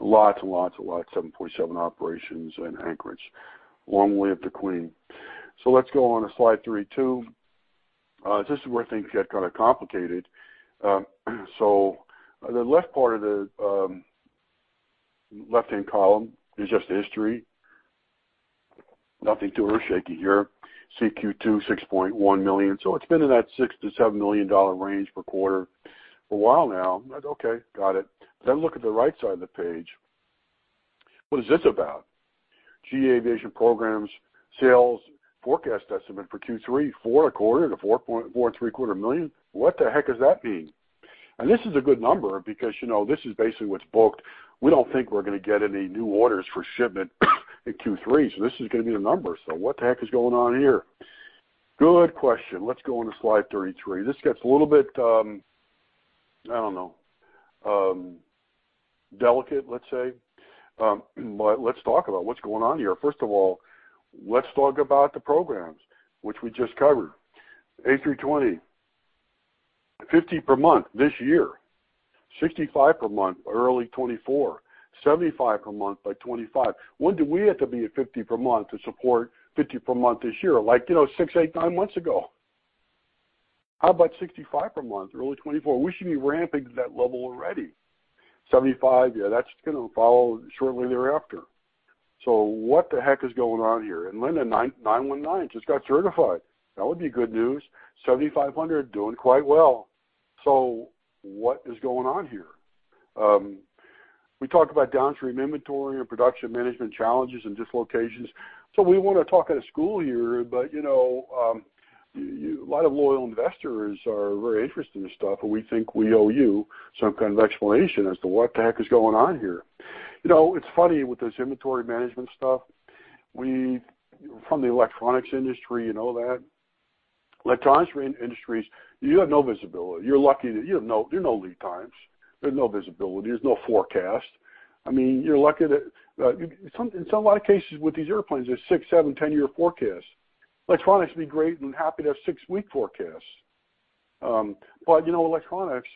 Lots and lots and lots of Boeing 747 operations in Anchorage. Long live the Queen. Let's go on to slide 32. This is where things get kinda complicated. The left part of the left-hand column is just history. Nothing too earth-shaking here. Q2, $6.1 million. It's been in that $6-$7 million range per quarter for a while now. Okay, got it. Look at the right side of the page. What is this about? GE Aviation programs sales forecast estimate for Q3, $4.25-$4.75 million. What the heck does that mean? This is a good number because, you know, this is basically what's booked. We don't think we're gonna get any new orders for shipment in Q3, so this is gonna be the number. What the heck is going on here? Good question. Let's go on to slide 33. This gets a little bit, I don't know, delicate, let's say. Let's talk about what's going on here. First of all, let's talk about the programs which we just covered. A320, 50 per month this year, 65 per month early 2024, 75 per month by 2025. When do we have to be at 50 per month to support 50 per month this year? Like, you know, six, eight, nine months ago. How about 65 per month early 2024? We should be ramping to that level already. 75, yeah, that's gonna follow shortly thereafter. What the heck is going on here? The COMAC C919 just got certified. That would be good news. Bombardier Global 7500 doing quite well. What is going on here? We talked about downstream inventory and production management challenges and dislocations. We don't wanna talk out of school here, but you know, a lot of loyal investors are very interested in this stuff, and we think we owe you some kind of explanation as to what the heck is going on here. You know, it's funny with this inventory management stuff. From the electronics industry, you know that. Electronics industries, you have no visibility. There are no lead times. There's no visibility. There's no forecast. I mean, you're lucky that in some odd cases with these airplanes, there's 6-, 7-, 10-year forecasts. Electronics would be great and happy to have 6-week forecasts. You know, electronics,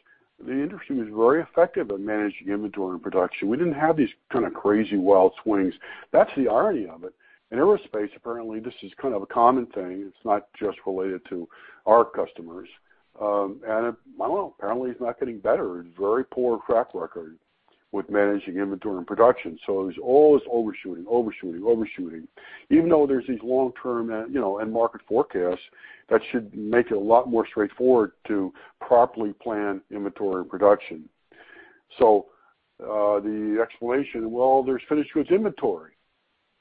the industry is very effective at managing inventory and production. We didn't have these kinda crazy, wild swings. That's the irony of it. In aerospace, apparently, this is kind of a common thing. It's not just related to our customers. I don't know, apparently, it's not getting better. Very poor track record with managing inventory and production. There's always overshooting. Even though there's these long-term, you know, and market forecasts, that should make it a lot more straightforward to properly plan inventory and production. The explanation, well, there's finished goods inventory.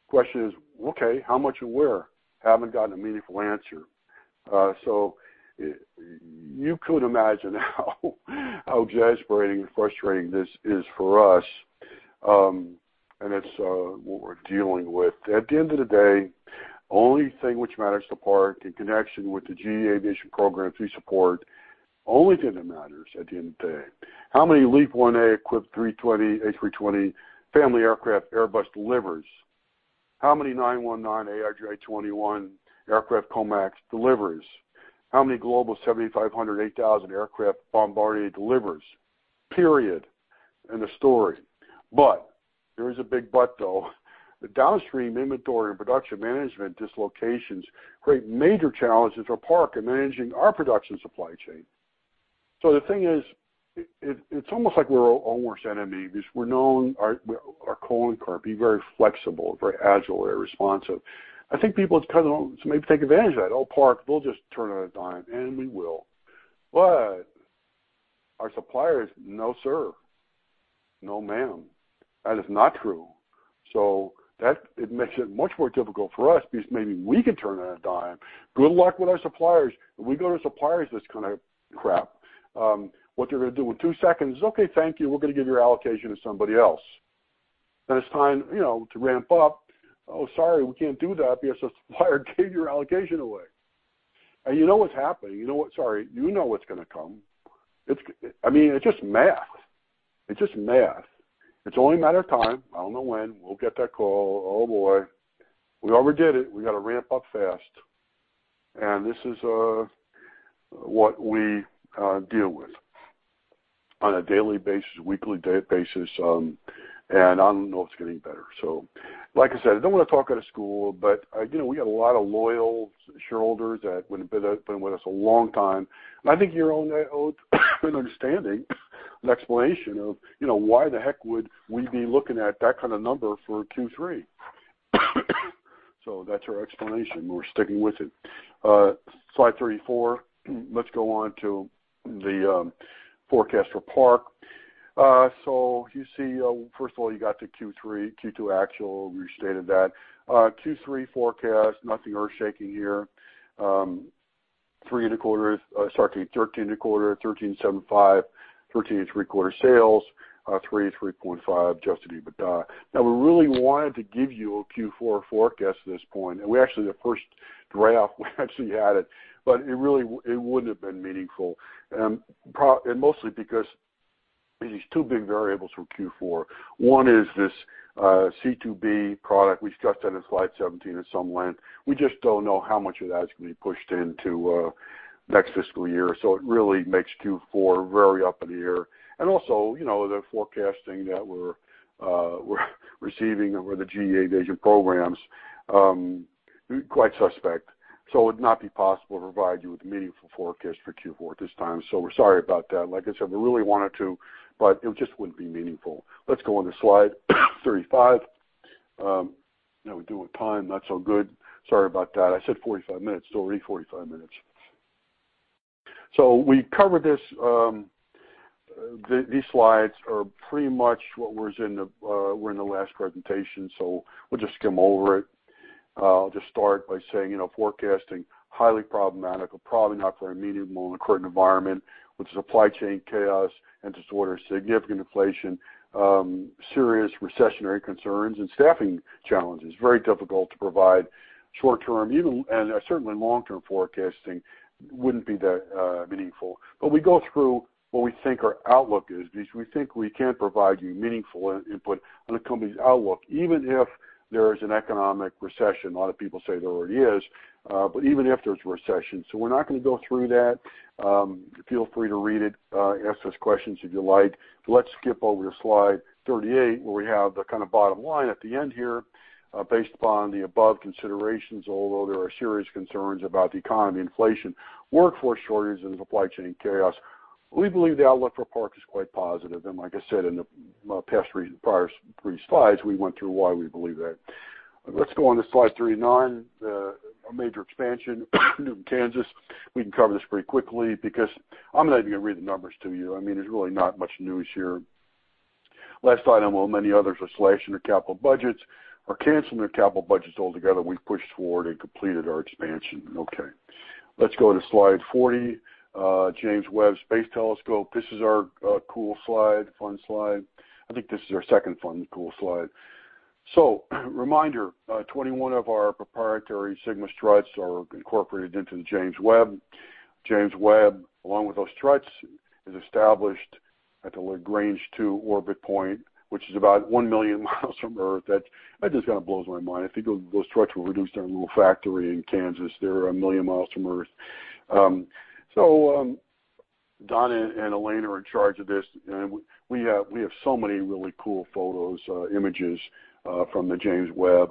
The question is, okay, how much and where? Haven't gotten a meaningful answer. You could imagine how exasperating and frustrating this is for us, and it's what we're dealing with. At the end of the day, the only thing that matters to Park in connection with the GE Aviation program through support is how many LEAP-1A-equipped 320 A320 family aircraft Airbus delivers. How many COMAC C919, COMAC ARJ21 aircraft COMAC delivers? How many Bombardier Global 7500, Bombardier Global 8000 aircraft Bombardier delivers? Period. End of story. There is a big but, though. The downstream inventory and production management dislocations create major challenges for Park in managing our production supply chain. The thing is, it's almost like we're our own worst enemy because we're known our carbon to be very flexible, very agile, very responsive. I think people just kind of maybe take advantage of that. Oh, Park, they'll just turn on a dime. We will. Our suppliers, no sir, no ma'am. That is not true. It makes it much more difficult for us because maybe we can turn on a dime. Good luck with our suppliers. If we go to suppliers, this kind of crap, what they're gonna do in two seconds is, "Okay, thank you. We're gonna give your allocation to somebody else." When it's time, you know, to ramp up, "Oh, sorry, we can't do that because the supplier gave your allocation away." You know what's happening. You know what? Sorry. You know what's gonna come. I mean, it's just math. It's just math. It's only a matter of time. I don't know when. We'll get that call. Oh, boy. We already did it. We gotta ramp up fast. This is what we deal with on a daily basis, weekly day basis, and I don't know if it's getting better. Like I said, I don't wanna talk out of school, but, you know, we got a lot of loyal shareholders that would have been with us a long time. I think you're all now owed an understanding, an explanation of, you know, why the heck would we be looking at that kind of number for Q3. That's our explanation. We're sticking with it. Slide 34. Let's go on to the forecast for Park. So you see, first of all, you got the Q3, Q2 actual. We stated that. Q3 forecast, nothing earth-shaking here. $13.25 million, sorry, $13.75 million, $13.75 million sales, $3 million and $3.5 million adjusted EBITDA. Now, we really wanted to give you a Q4 forecast at this point. We actually had the first draft, but it really wouldn't have been meaningful, and mostly because these two big variables from Q4. One is this C2B product. We discussed that in slide 17 at some length. We just don't know how much of that is gonna be pushed into next fiscal year, so it really makes Q4 very up in the air. Also, you know, the forecasting that we're receiving over the GE Aviation programs quite suspect. It would not be possible to provide you with a meaningful forecast for Q4 at this time. We're sorry about that. Like I said, we really wanted to, but it just wouldn't be meaningful. Let's go on to slide 35. Now we're doing time not so good. Sorry about that. I said 45 minutes. It's already 45 minutes. We covered this, these slides are pretty much what was in the last presentation, so we'll just skim over it. I'll just start by saying, you know, forecasting, highly problematic, probably not very meaningful in the current environment. With supply chain chaos and disorder, significant inflation, serious recessionary concerns, and staffing challenges, very difficult to provide short-term and certainly long-term forecasting wouldn't be that meaningful. We go through what we think our outlook is because we think we can provide you meaningful input on the company's outlook, even if there is an economic recession. A lot of people say there already is, but even if there's a recession. We're not gonna go through that. Feel free to read it. Ask us questions if you like. Let's skip over to slide 38, where we have the kind of bottom line at the end here, based upon the above considerations, although there are serious concerns about the economy, inflation, workforce shortage, and supply chain chaos, we believe the outlook for Park is quite positive. Like I said in the prior three slides, we went through why we believe that. Let's go on to slide 39. Our major expansion in Newton, Kansas. We can cover this pretty quickly because I'm not even gonna read the numbers to you. I mean, there's really not much news here. In contrast, many others are slashing their capital budgets or canceling their capital budgets altogether. We've pushed forward and completed our expansion. Okay. Let's go to slide 40. James Webb Space Telescope. This is our cool slide, fun slide. I think this is our second fun, cool slide. Reminder, 21 of our proprietary SigmaStruts are incorporated into the James Webb. James Webb, along with those struts, is established at the Lagrange 2 Orbit Point, which is about 1 million miles from Earth. That just kind of blows my mind. I think of those struts we produced in our little factory in Kansas. They're 1 million miles from Earth. Don and Elaine are in charge of this. We have so many really cool photos, images, from the James Webb.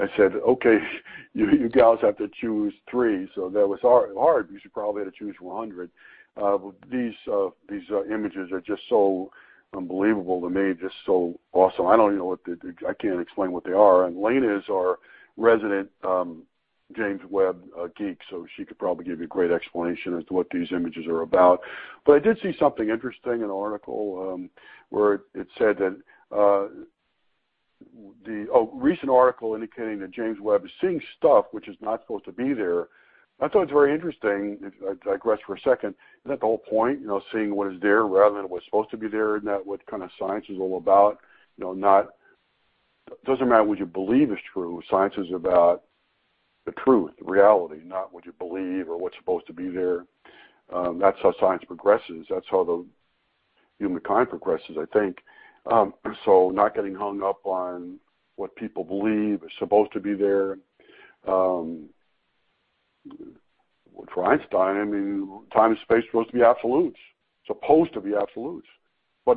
I said, "Okay, you guys have to choose three." That was hard. You should probably have to choose 100. These images are just so unbelievable to me, just so awesome. I don't even know. I can't explain what they are. Elaine is our resident James Webb geek, so she could probably give you a great explanation as to what these images are about. I did see something interesting, a recent article indicating that James Webb is seeing stuff which is not supposed to be there. I thought it was very interesting. If I digress for a second, isn't that the whole point? You know, seeing what is there rather than what's supposed to be there. Isn't that what kind of science is all about? You know, Doesn't matter what you believe is true. Science is about the truth, reality, not what you believe or what's supposed to be there. That's how science progresses. That's how the humankind progresses, I think. Not getting hung up on what people believe is supposed to be there. For Einstein, I mean, time and space are supposed to be absolutes. It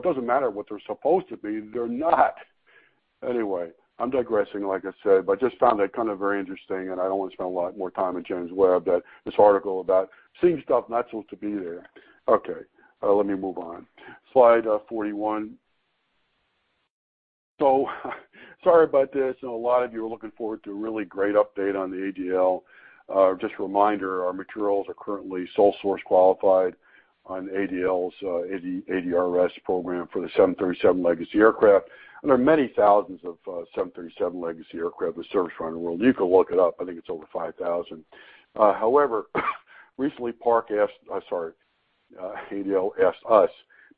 doesn't matter what they're supposed to be, they're not. Anyway, I'm digressing, like I said, but I just found that kind of very interesting, and I don't want to spend a lot more time on James Webb, but this article about seeing stuff not supposed to be there. Okay, let me move on. Slide 41. Sorry about this. I know a lot of you are looking forward to a really great update on the ADL. Just a reminder, our materials are currently sole source qualified on ADL's ADRS program for the Boeing 737 Legacy Aircraft. There are many thousands of Boeing 737 Legacy Aircraft with service around the world. You can look it up. I think it's over 5,000. However, recently, ADL asked us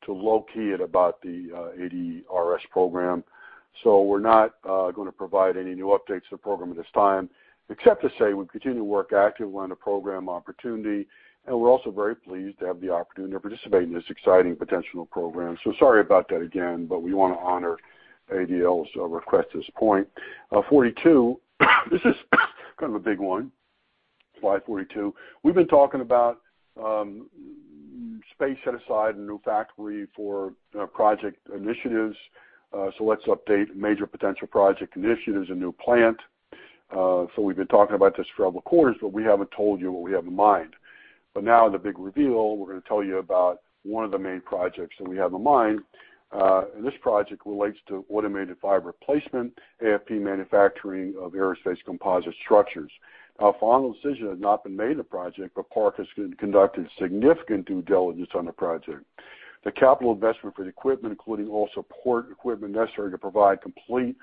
to low-key it about the ADRS program. We're not going to provide any new updates to the program at this time, except to say we continue to work actively on the program opportunity, and we're also very pleased to have the opportunity to participate in this exciting potential program. Sorry about that again, but we want to honor ADL's request at this point. 42. This is kind of a big one. Slide 42. We've been talking about space set aside, a new factory for project initiatives. Let's update major potential project initiatives, a new plant. We've been talking about this for several quarters, but we haven't told you what we have in mind. Now the big reveal, we're gonna tell you about one of the main projects that we have in mind. This project relates to automated fiber placement, AFP manufacturing of aerospace composite structures. A final decision has not been made on the project, but Park has conducted significant due diligence on the project. The capital investment for the equipment, including all support equipment necessary to provide complete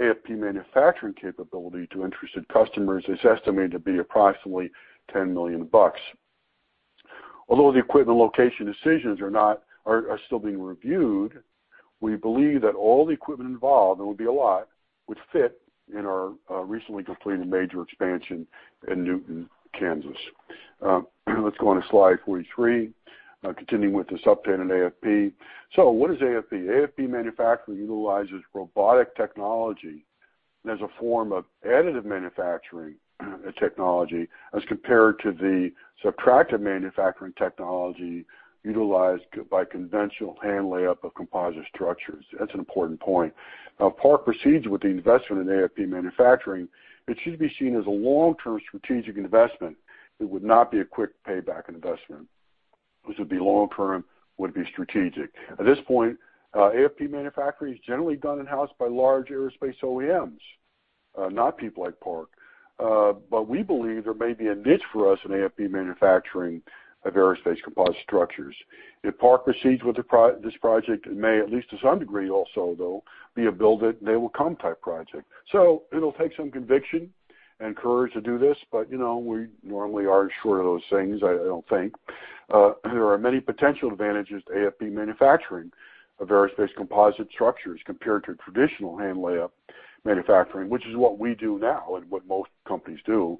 AFP manufacturing capability to interested customers, is estimated to be approximately $10 million. Although the equipment location decisions are still being reviewed, we believe that all the equipment involved, and it will be a lot, would fit in our recently completed major expansion in Newton, Kansas. Let's go on to slide 43, continuing with this update on AFP. What is AFP? AFP manufacturing utilizes robotic technology as a form of additive manufacturing, technology as compared to the subtractive manufacturing technology utilized by conventional hand layup of composite structures. That's an important point. If Park proceeds with the investment in AFP manufacturing, it should be seen as a long-term strategic investment. It would not be a quick payback investment. This would be long-term, would be strategic. At this point, AFP manufacturing is generally done in-house by large Aerospace OEMs, not people like Park. We believe there may be a niche for us in AFP manufacturing of aerospace composite structures. If Park proceeds with this project, it may, at least to some degree also, though, be a build-it-they-will-come type project. It'll take some conviction and courage to do this, but you know, we normally aren't short of those things, I don't think. There are many potential advantages to AFP manufacturing of aerospace composite structures compared to traditional hand layup manufacturing, which is what we do now and what most companies do.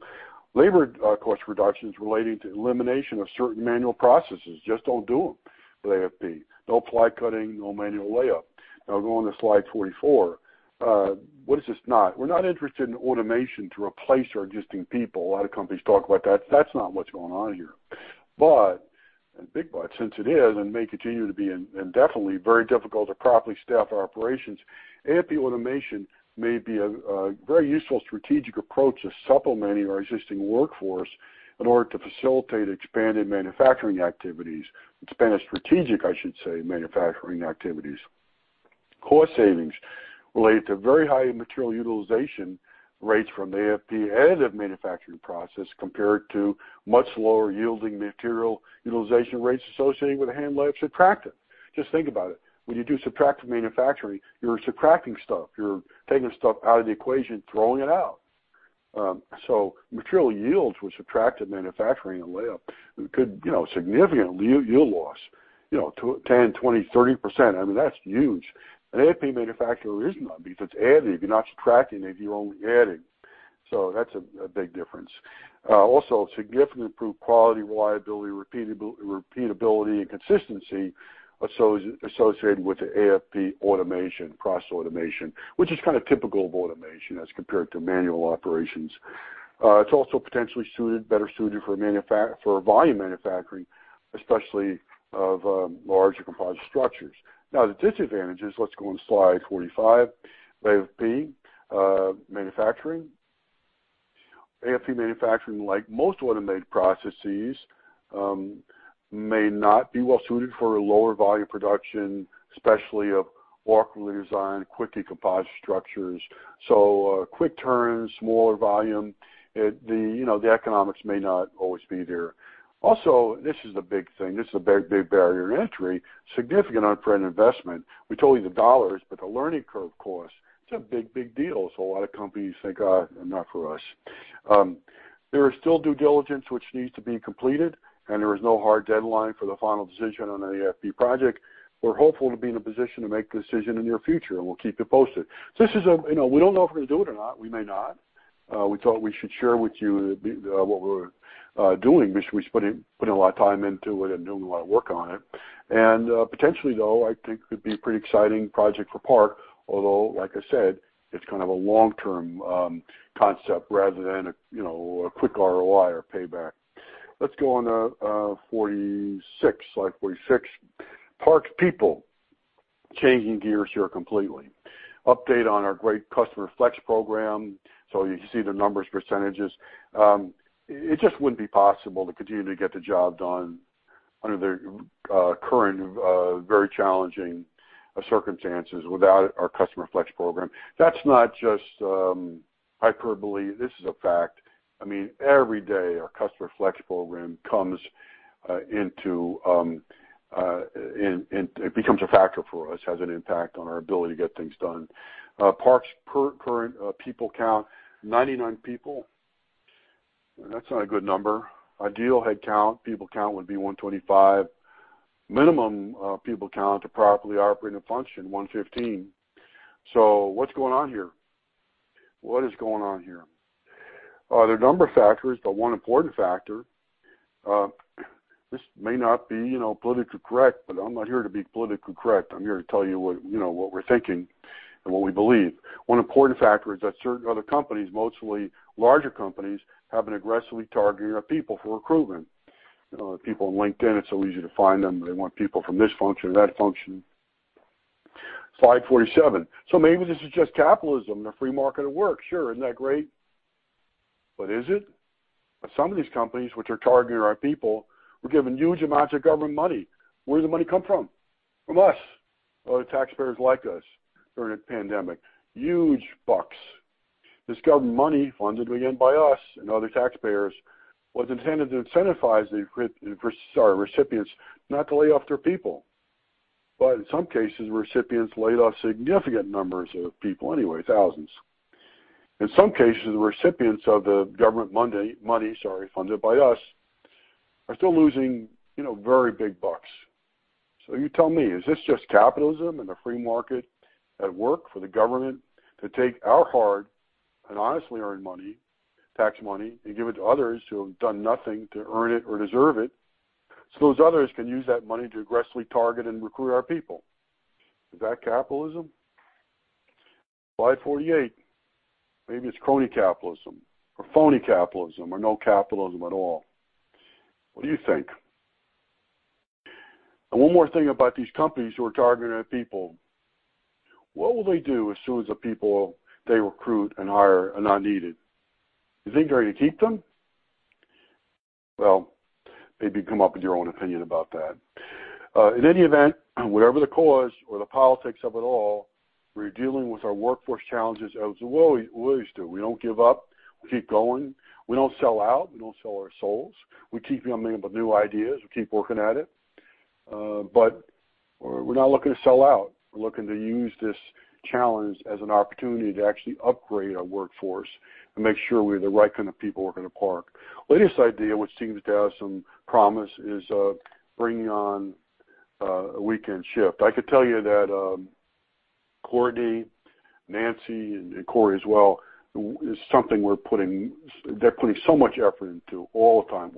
Labor cost reductions relating to elimination of certain manual processes. Just don't do them with AFP. No ply cutting, no manual layup. Now go on to slide 44. What is this not? We're not interested in automation to replace our existing people. A lot of companies talk about that. That's not what's going on here. A big but, since it is and may continue to be indefinitely very difficult to properly staff our operations, AFP automation may be a very useful strategic approach to supplementing our existing workforce in order to facilitate expanded manufacturing activities. Expanded strategic, I should say, manufacturing activities. Cost savings related to very high material utilization rates from AFP additive manufacturing process compared to much lower yielding material utilization rates associated with hand layup subtractive. Just think about it. When you do subtractive manufacturing, you're subtracting stuff. You're taking stuff out of the equation, throwing it out. So material yields with subtractive manufacturing and layup could, you know, significant yield loss, you know, 10%, 20%, 30%. I mean, that's huge. An AFP manufacturer is not because it's additive. You're not subtracting it, you're only adding. So that's a big difference. Also significantly improved quality, reliability, repeatability, and consistency associated with the AFP automation, process automation, which is kind of typical of automation as compared to manual operations. It's also potentially suited, better suited for volume manufacturing, especially of larger composite structures. Now, the disadvantage is, let's go on slide 45, AFP manufacturing. AFP manufacturing, like most automated processes, may not be well suited for a lower volume production, especially of awkwardly designed quirky composite structures. Quick turns, smaller volume, you know, the economics may not always be there. Also, this is the big thing. This is a big barrier to entry. Significant upfront investment. We told you the dollars, but the learning curve cost, it's a big deal. A lot of companies think, "not for us." There is still due diligence which needs to be completed, and there is no hard deadline for the final decision on the AFP project. We're hopeful to be in a position to make the decision in the near future, and we'll keep you posted. This is a, you know, we don't know if we're gonna do it or not. We may not. We thought we should share with you what we're doing. We're putting a lot of time into it and doing a lot of work on it. Potentially, though, I think it could be a pretty exciting project for Park. Although, like I said, it's kind of a long-term concept rather than a, you know, a quick ROI or payback. Let's go on to 46. Slide 46. Park's people. Changing gears here completely. Update on our great Customer Flexibility Program. You see the numbers, percentages. It just wouldn't be possible to continue to get the job done under the current very challenging circumstances without our Customer Flexibility Program. That's not just hyperbole. This is a fact. I mean, every day, our Customer Flexibility Program comes into it becomes a factor for us, has an impact on our ability to get things done. Park's current people count, 99 people. That's not a good number. Ideal head count, people count would be 125. Minimum people count to properly operate and function, 115. What's going on here? What is going on here? There are a number of factors, but one important factor, this may not be, you know, politically correct, but I'm not here to be politically correct. I'm here to tell you what, you know, what we're thinking and what we believe. One important factor is that certain other companies, mostly larger companies, have been aggressively targeting our people for recruitment. You know, people on LinkedIn, it's so easy to find them. They want people from this function or that function. Slide 47. Maybe this is just capitalism, the free market at work. Sure, isn't that great? Is it? Some of these companies which are targeting our people were given huge amounts of government money. Where did the money come from? From us. Other taxpayers like us during the pandemic. Huge bucks. This government money, funded again by us and other taxpayers, was intended to incentivize the recipients not to lay off their people. In some cases, recipients laid off significant numbers of people anyway, thousands. In some cases, the recipients of the government money, funded by us, are still losing, you know, very big bucks. You tell me, is this just capitalism and the free market at work for the government to take our hard and honestly earned money, tax money, and give it to others who have done nothing to earn it or deserve it, so those others can use that money to aggressively target and recruit our people? Is that capitalism? Slide 48. Maybe it's crony capitalism or phony capitalism or no capitalism at all. What do you think? One more thing about these companies who are targeting our people. What will they do as soon as the people they recruit and hire are not needed? You think they're going to keep them? Well, maybe come up with your own opinion about that. In any event, whatever the cause or the politics of it all, we're dealing with our workforce challenges as we always do. We don't give up. We keep going. We don't sell out. We don't sell our souls. We keep coming up with new ideas. We keep working at it. We're not looking to sell out. We're looking to use this challenge as an opportunity to actually upgrade our workforce and make sure we have the right kind of people working at Park. Latest idea, which seems to have some promise, is bringing on a weekend shift. I could tell you that Courtney, Nancy, and Cory as well is something they're putting so much effort into all the time.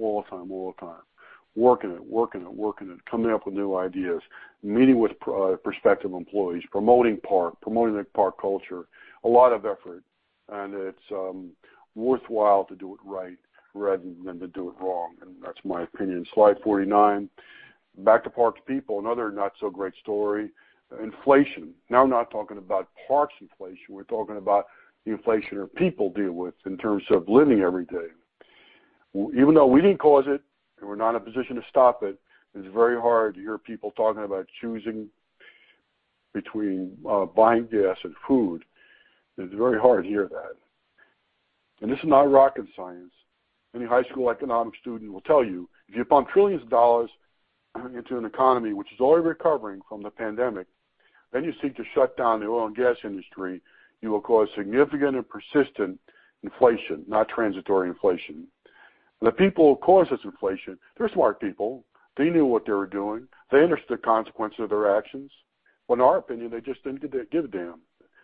Working it, coming up with new ideas. Meeting with prospective employees, promoting Park, promoting the Park culture, a lot of effort. It's worthwhile to do it right rather than to do it wrong. That's my opinion. Slide 49. Back to Park's people. Another not-so-great story. Inflation. Now, I'm not talking about Park's inflation. We're talking about the inflation our people deal with in terms of living every day. Even though we didn't cause it, and we're not in a position to stop it's very hard to hear people talking about choosing between buying gas and food. It's very hard to hear that. This is not rocket science. Any high school economics student will tell you, if you pump trillions of dollars into an economy which is already recovering from the pandemic, then you seek to shut down the oil and gas industry, you will cause significant and persistent inflation, not transitory inflation. The people who caused this inflation, they're smart people. They knew what they were doing. They understood the consequences of their actions. In our opinion, they just didn't give a damn.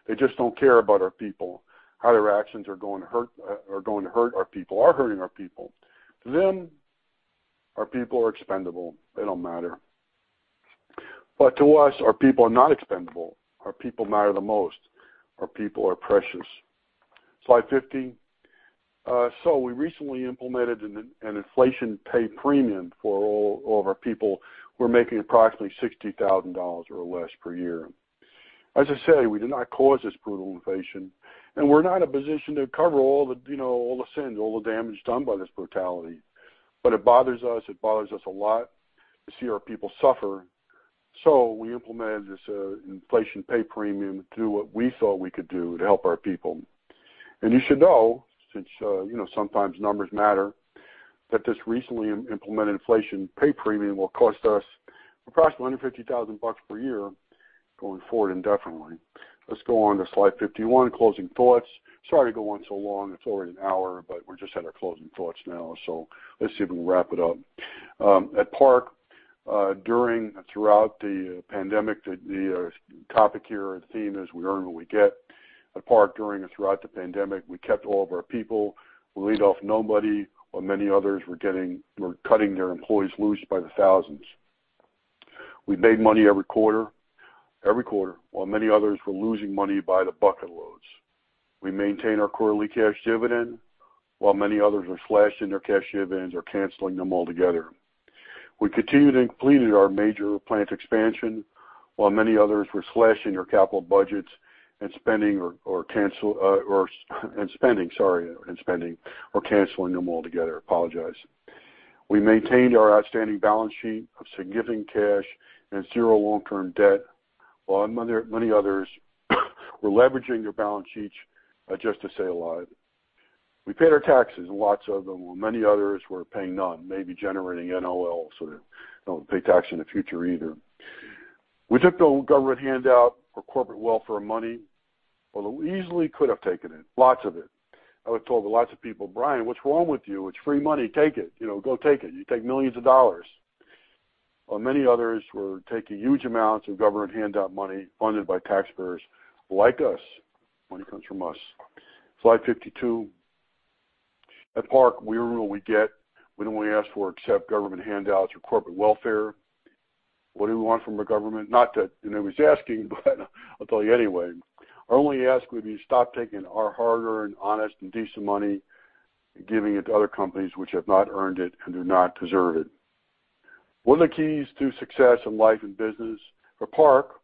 They just don't care about our people, how their actions are going to hurt, are going to hurt our people, are hurting our people. To them, our people are expendable. They don't matter. To us, our people are not expendable. Our people matter the most. Our people are precious. Slide 50. We recently implemented an inflation pay premium for all of our people who are making approximately $60,000 or less per year. As I said, we did not cause this brutal inflation, and we're not in a position to cover all the, you know, all the sins, all the damage done by this brutality. It bothers us a lot to see our people suffer. We implemented this inflation pay premium to do what we thought we could do to help our people. You should know, since you know, sometimes numbers matter, that this recently implemented inflation pay premium will cost us approximately under $50,000 per year going forward indefinitely. Let's go on to slide 51, closing thoughts. Sorry to go on so long. It's already an hour, but we just had our closing thoughts now, so let's see if we can wrap it up. At Park during and throughout the pandemic, the topic here or theme is we earn what we get. At Park during and throughout the pandemic, we kept all of our people. We laid off nobody while many others were cutting their employees loose by the thousands. We made money every quarter while many others were losing money by the bucket loads. We maintained our quarterly cash dividend while many others were slashing their cash dividends or canceling them altogether. We continued and completed our major plant expansion while many others were slashing their capital budgets or canceling them altogether. We maintained our outstanding balance sheet of significant cash and zero long-term debt, while many, many others were leveraging their balance sheets just to stay alive. We paid our taxes, lots of them, while many others were paying none, maybe generating NOLs, so they don't pay tax in the future either. We took no government handout or corporate welfare money, although we easily could have taken it, lots of it. I was told by lots of people, "Brian, what's wrong with you? It's free money. Take it. You know, go take it. You take millions of dollars." While many others were taking huge amounts of government handout money funded by taxpayers like us. Money comes from us. Slide 52. At Park, we earn what we get. We don't wanna ask for or accept government handouts or corporate welfare. What do we want from the government? Not that anybody's asking, but I'll tell you anyway. Our only ask would be stop taking our hard-earned, honest, and decent money, giving it to other companies which have not earned it and do not deserve it. One of the keys to success in life and business, for Park,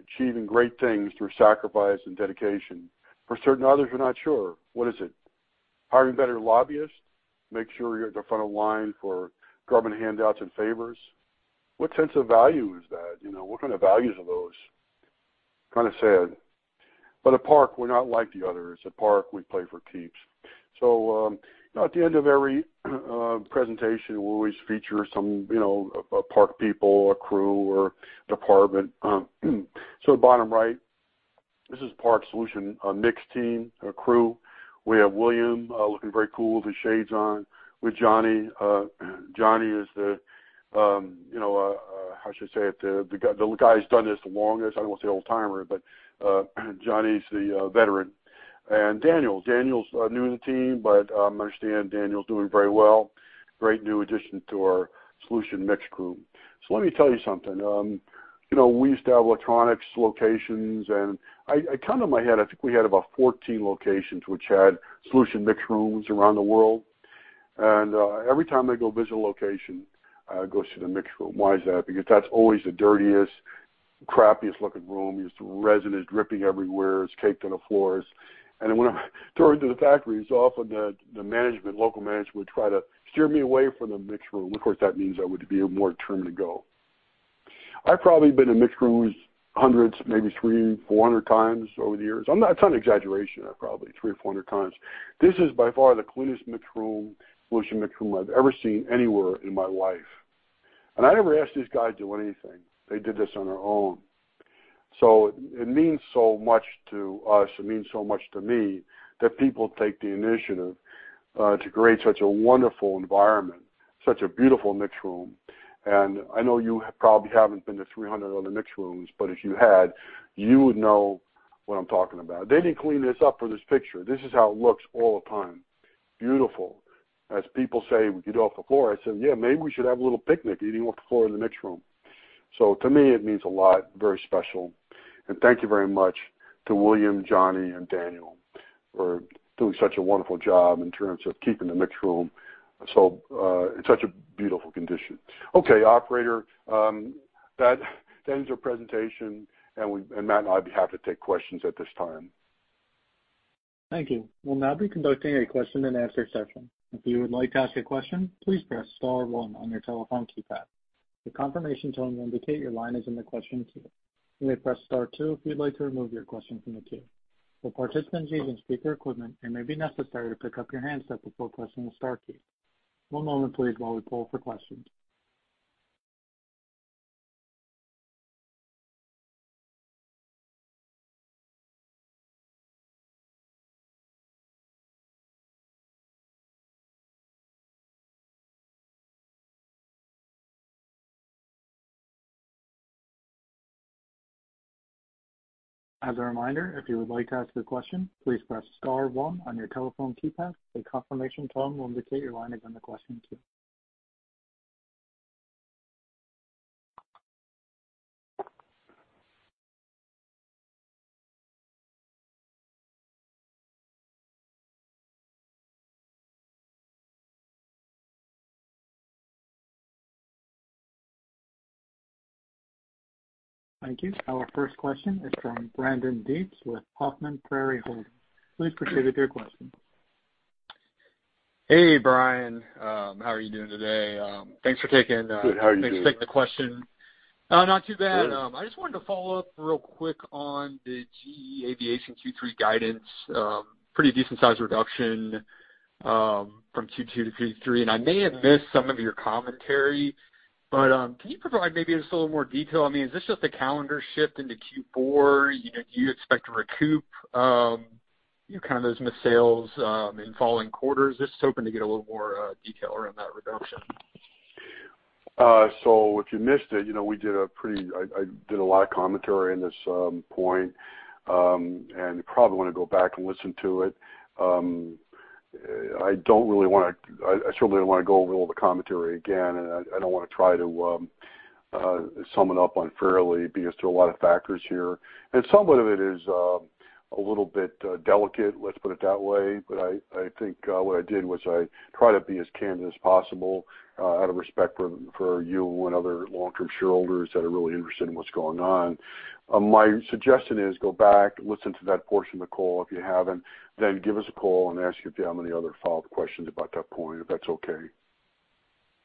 achieving great things through sacrifice and dedication. For certain others, we're not sure. What is it? Hiring better lobbyists, make sure you're at the front of line for government handouts and favors. What sense of value is that? You know, what kind of values are those? Kinda sad. At Park, we're not like the others. At Park, we play for keeps. At the end of every presentation, we always feature some, you know, a Park people, a crew, or department. Bottom right, this is Park solution mix team, a crew. We have William Davis looking very cool with the shades on, with Johnny Jamieson. Johnny is the, you know, how should I say it? The guy who's done this the longest. I don't wanna say old-timer, but Johnny's the veteran. Daniel McNamara. Daniel's new to the team, but I understand Daniel's doing very well. Great new addition to our solution mix crew. Let me tell you something. You know, we used to have electronics locations, and I count in my head, I think we had about 14 locations which had solution mix rooms around the world. Every time I go visit a location, I go see the mix room. Why is that? Because that's always the dirtiest, crappiest looking room. There's resin is dripping everywhere. It's caked on the floors. When I tour the factories, often the management, local management would try to steer me away from the mix room. Of course, that means I would be more determined to go. I've probably been in mix rooms hundreds, maybe 300, 400 times over the years. It's not an exaggeration. Probably 300 or 400 times. This is by far the cleanest mix room, solution mix room I've ever seen anywhere in my life. I never asked these guys to do anything. They did this on their own. It means so much to us. It means so much to me that people take the initiative to create such a wonderful environment, such a beautiful mix room. I know you probably haven't been to 300 other mix rooms, but if you had, you would know what I'm talking about. They didn't clean this up for this picture. This is how it looks all the time. Beautiful. As people say, we could eat off the floor. I said, "Yeah, maybe we should have a little picnic, eating off the floor in the mix room." To me, it means a lot, very special. Thank you very much to William, Johnny, and Daniel for doing such a wonderful job in terms of keeping the mix room so in such a beautiful condition. Okay, operator, that ends our presentation, and Matt and I'd be happy to take questions at this time. Thank you. We'll now be conducting a question-and-answer session. If you would like to ask a question, please press star one on your telephone keypad. The confirmation tone will indicate your line is in the question queue. You may press Star two if you'd like to remove your question from the queue. For participants using speaker equipment, it may be necessary to pick up your handset before pressing the star key. One moment, please, while we poll for questions. As a reminder, if you would like to ask a question, please press star one on your telephone keypad. A confirmation tone will indicate your line is in the question queue. Thank you. Our first question is from Brandon Dietz with Huffman Prairie Holdings. Please proceed with your question. Hey, Brian. How are you doing today? Thanks for taking Good. How are you doing? Thanks for taking the question. Not too bad. Good. I just wanted to follow up real quick on the GE Aviation Q3 guidance. Pretty decent size reduction from Q2 to Q3. I may have missed some of your commentary, but can you provide maybe just a little more detail? I mean, is this just a calendar shift into Q4? You know, do you expect to recoup? You kind of missed sales in following quarters. Just hoping to get a little more detail around that reduction. If you missed it, you know, I did a lot of commentary on this point, and you probably wanna go back and listen to it. I certainly don't wanna go over all the commentary again. I don't wanna try to sum it up unfairly because there are a lot of factors here. Somewhat of it is a little bit delicate, let's put it that way. I think what I did was I tried to be as candid as possible out of respect for you and other long-term shareholders that are really interested in what's going on. My suggestion is go back, listen to that portion of the call if you haven't, then give us a call and ask if you have any other follow-up questions about that point, if that's okay.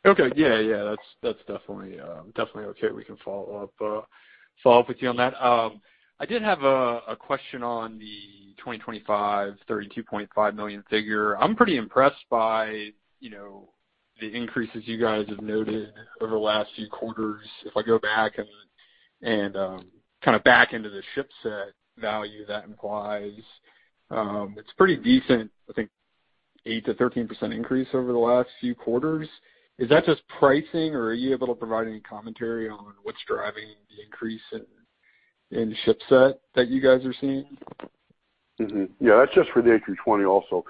Okay. Yeah, yeah. That's definitely okay. We can follow up with you on that. I did have a question on the 2025, $32.5 million figure. I'm pretty impressed by, you know, the increases you guys have noted over the last few quarters. If I go back and kinda back into the ship set value that implies, it's pretty decent, I think 8%-13% increase over the last few quarters. Is that just pricing, or are you able to provide any commentary on what's driving the increase in ship set that you guys are seeing? Yeah, that's just for the A320neo Aircraft Family also.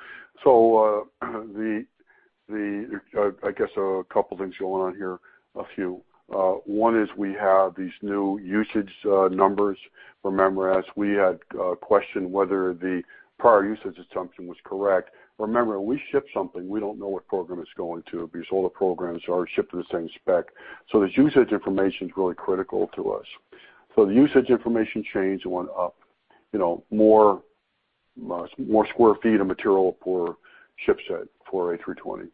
I guess a couple things going on here, a few. One is we have these new usage numbers. Remember, as we had questioned whether the prior usage assumption was correct. Remember, when we ship something, we don't know what program it's going to because all the programs are shipped to the same spec. This usage information is really critical to us. The usage information changed and went up, you know, more square feet of material for shipset for A320neo Aircraft Family.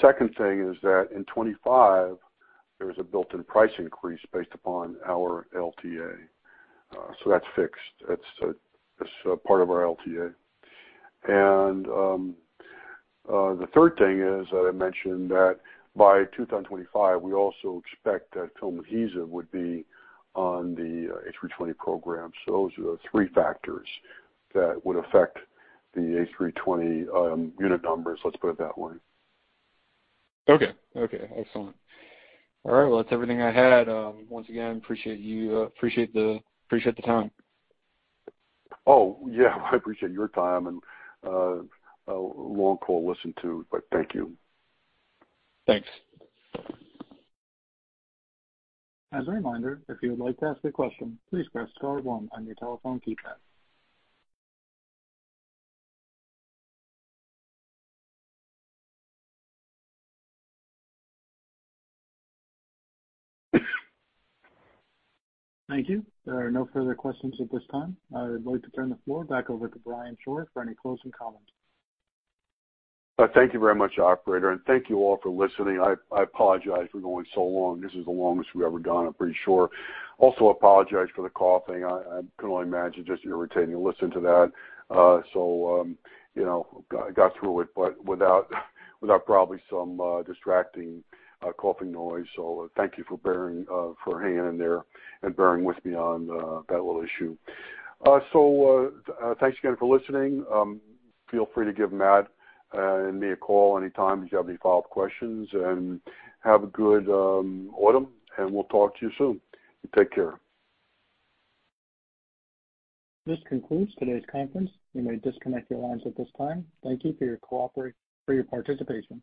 Second thing is that in 2025, there's a built-in price increase based upon our LTA. That's fixed. That's part of our LTA. The third thing is that I mentioned that by 2025, we also expect that film adhesive would be on the A320neo Aircraft Family program. Those are the three factors that would affect the A320neo Aircraft Family unit numbers, let's put it that way. Okay. Okay, excellent. All right, well, that's everything I had. Once again, appreciate you. Appreciate the time. Oh, yeah, I appreciate your time, and a long call listened to, but thank you. Thanks. As a reminder, if you would like to ask a question, please press star one on your telephone keypad. Thank you. There are no further questions at this time. I would like to turn the floor back over to Brian Shore for any closing comments. Thank you very much, operator, and thank you all for listening. I apologize for going so long. This is the longest we've ever gone, I'm pretty sure. Also apologize for the coughing. I can only imagine just irritating to listen to that. You know, got through it, but without probably some distracting coughing noise. Thank you for hanging in there and bearing with me on that little issue. Thanks again for listening. Feel free to give Matt and me a call anytime if you have any follow-up questions. Have a good autumn, and we'll talk to you soon. Take care. This concludes today's conference. You may disconnect your lines at this time. Thank you for your participation.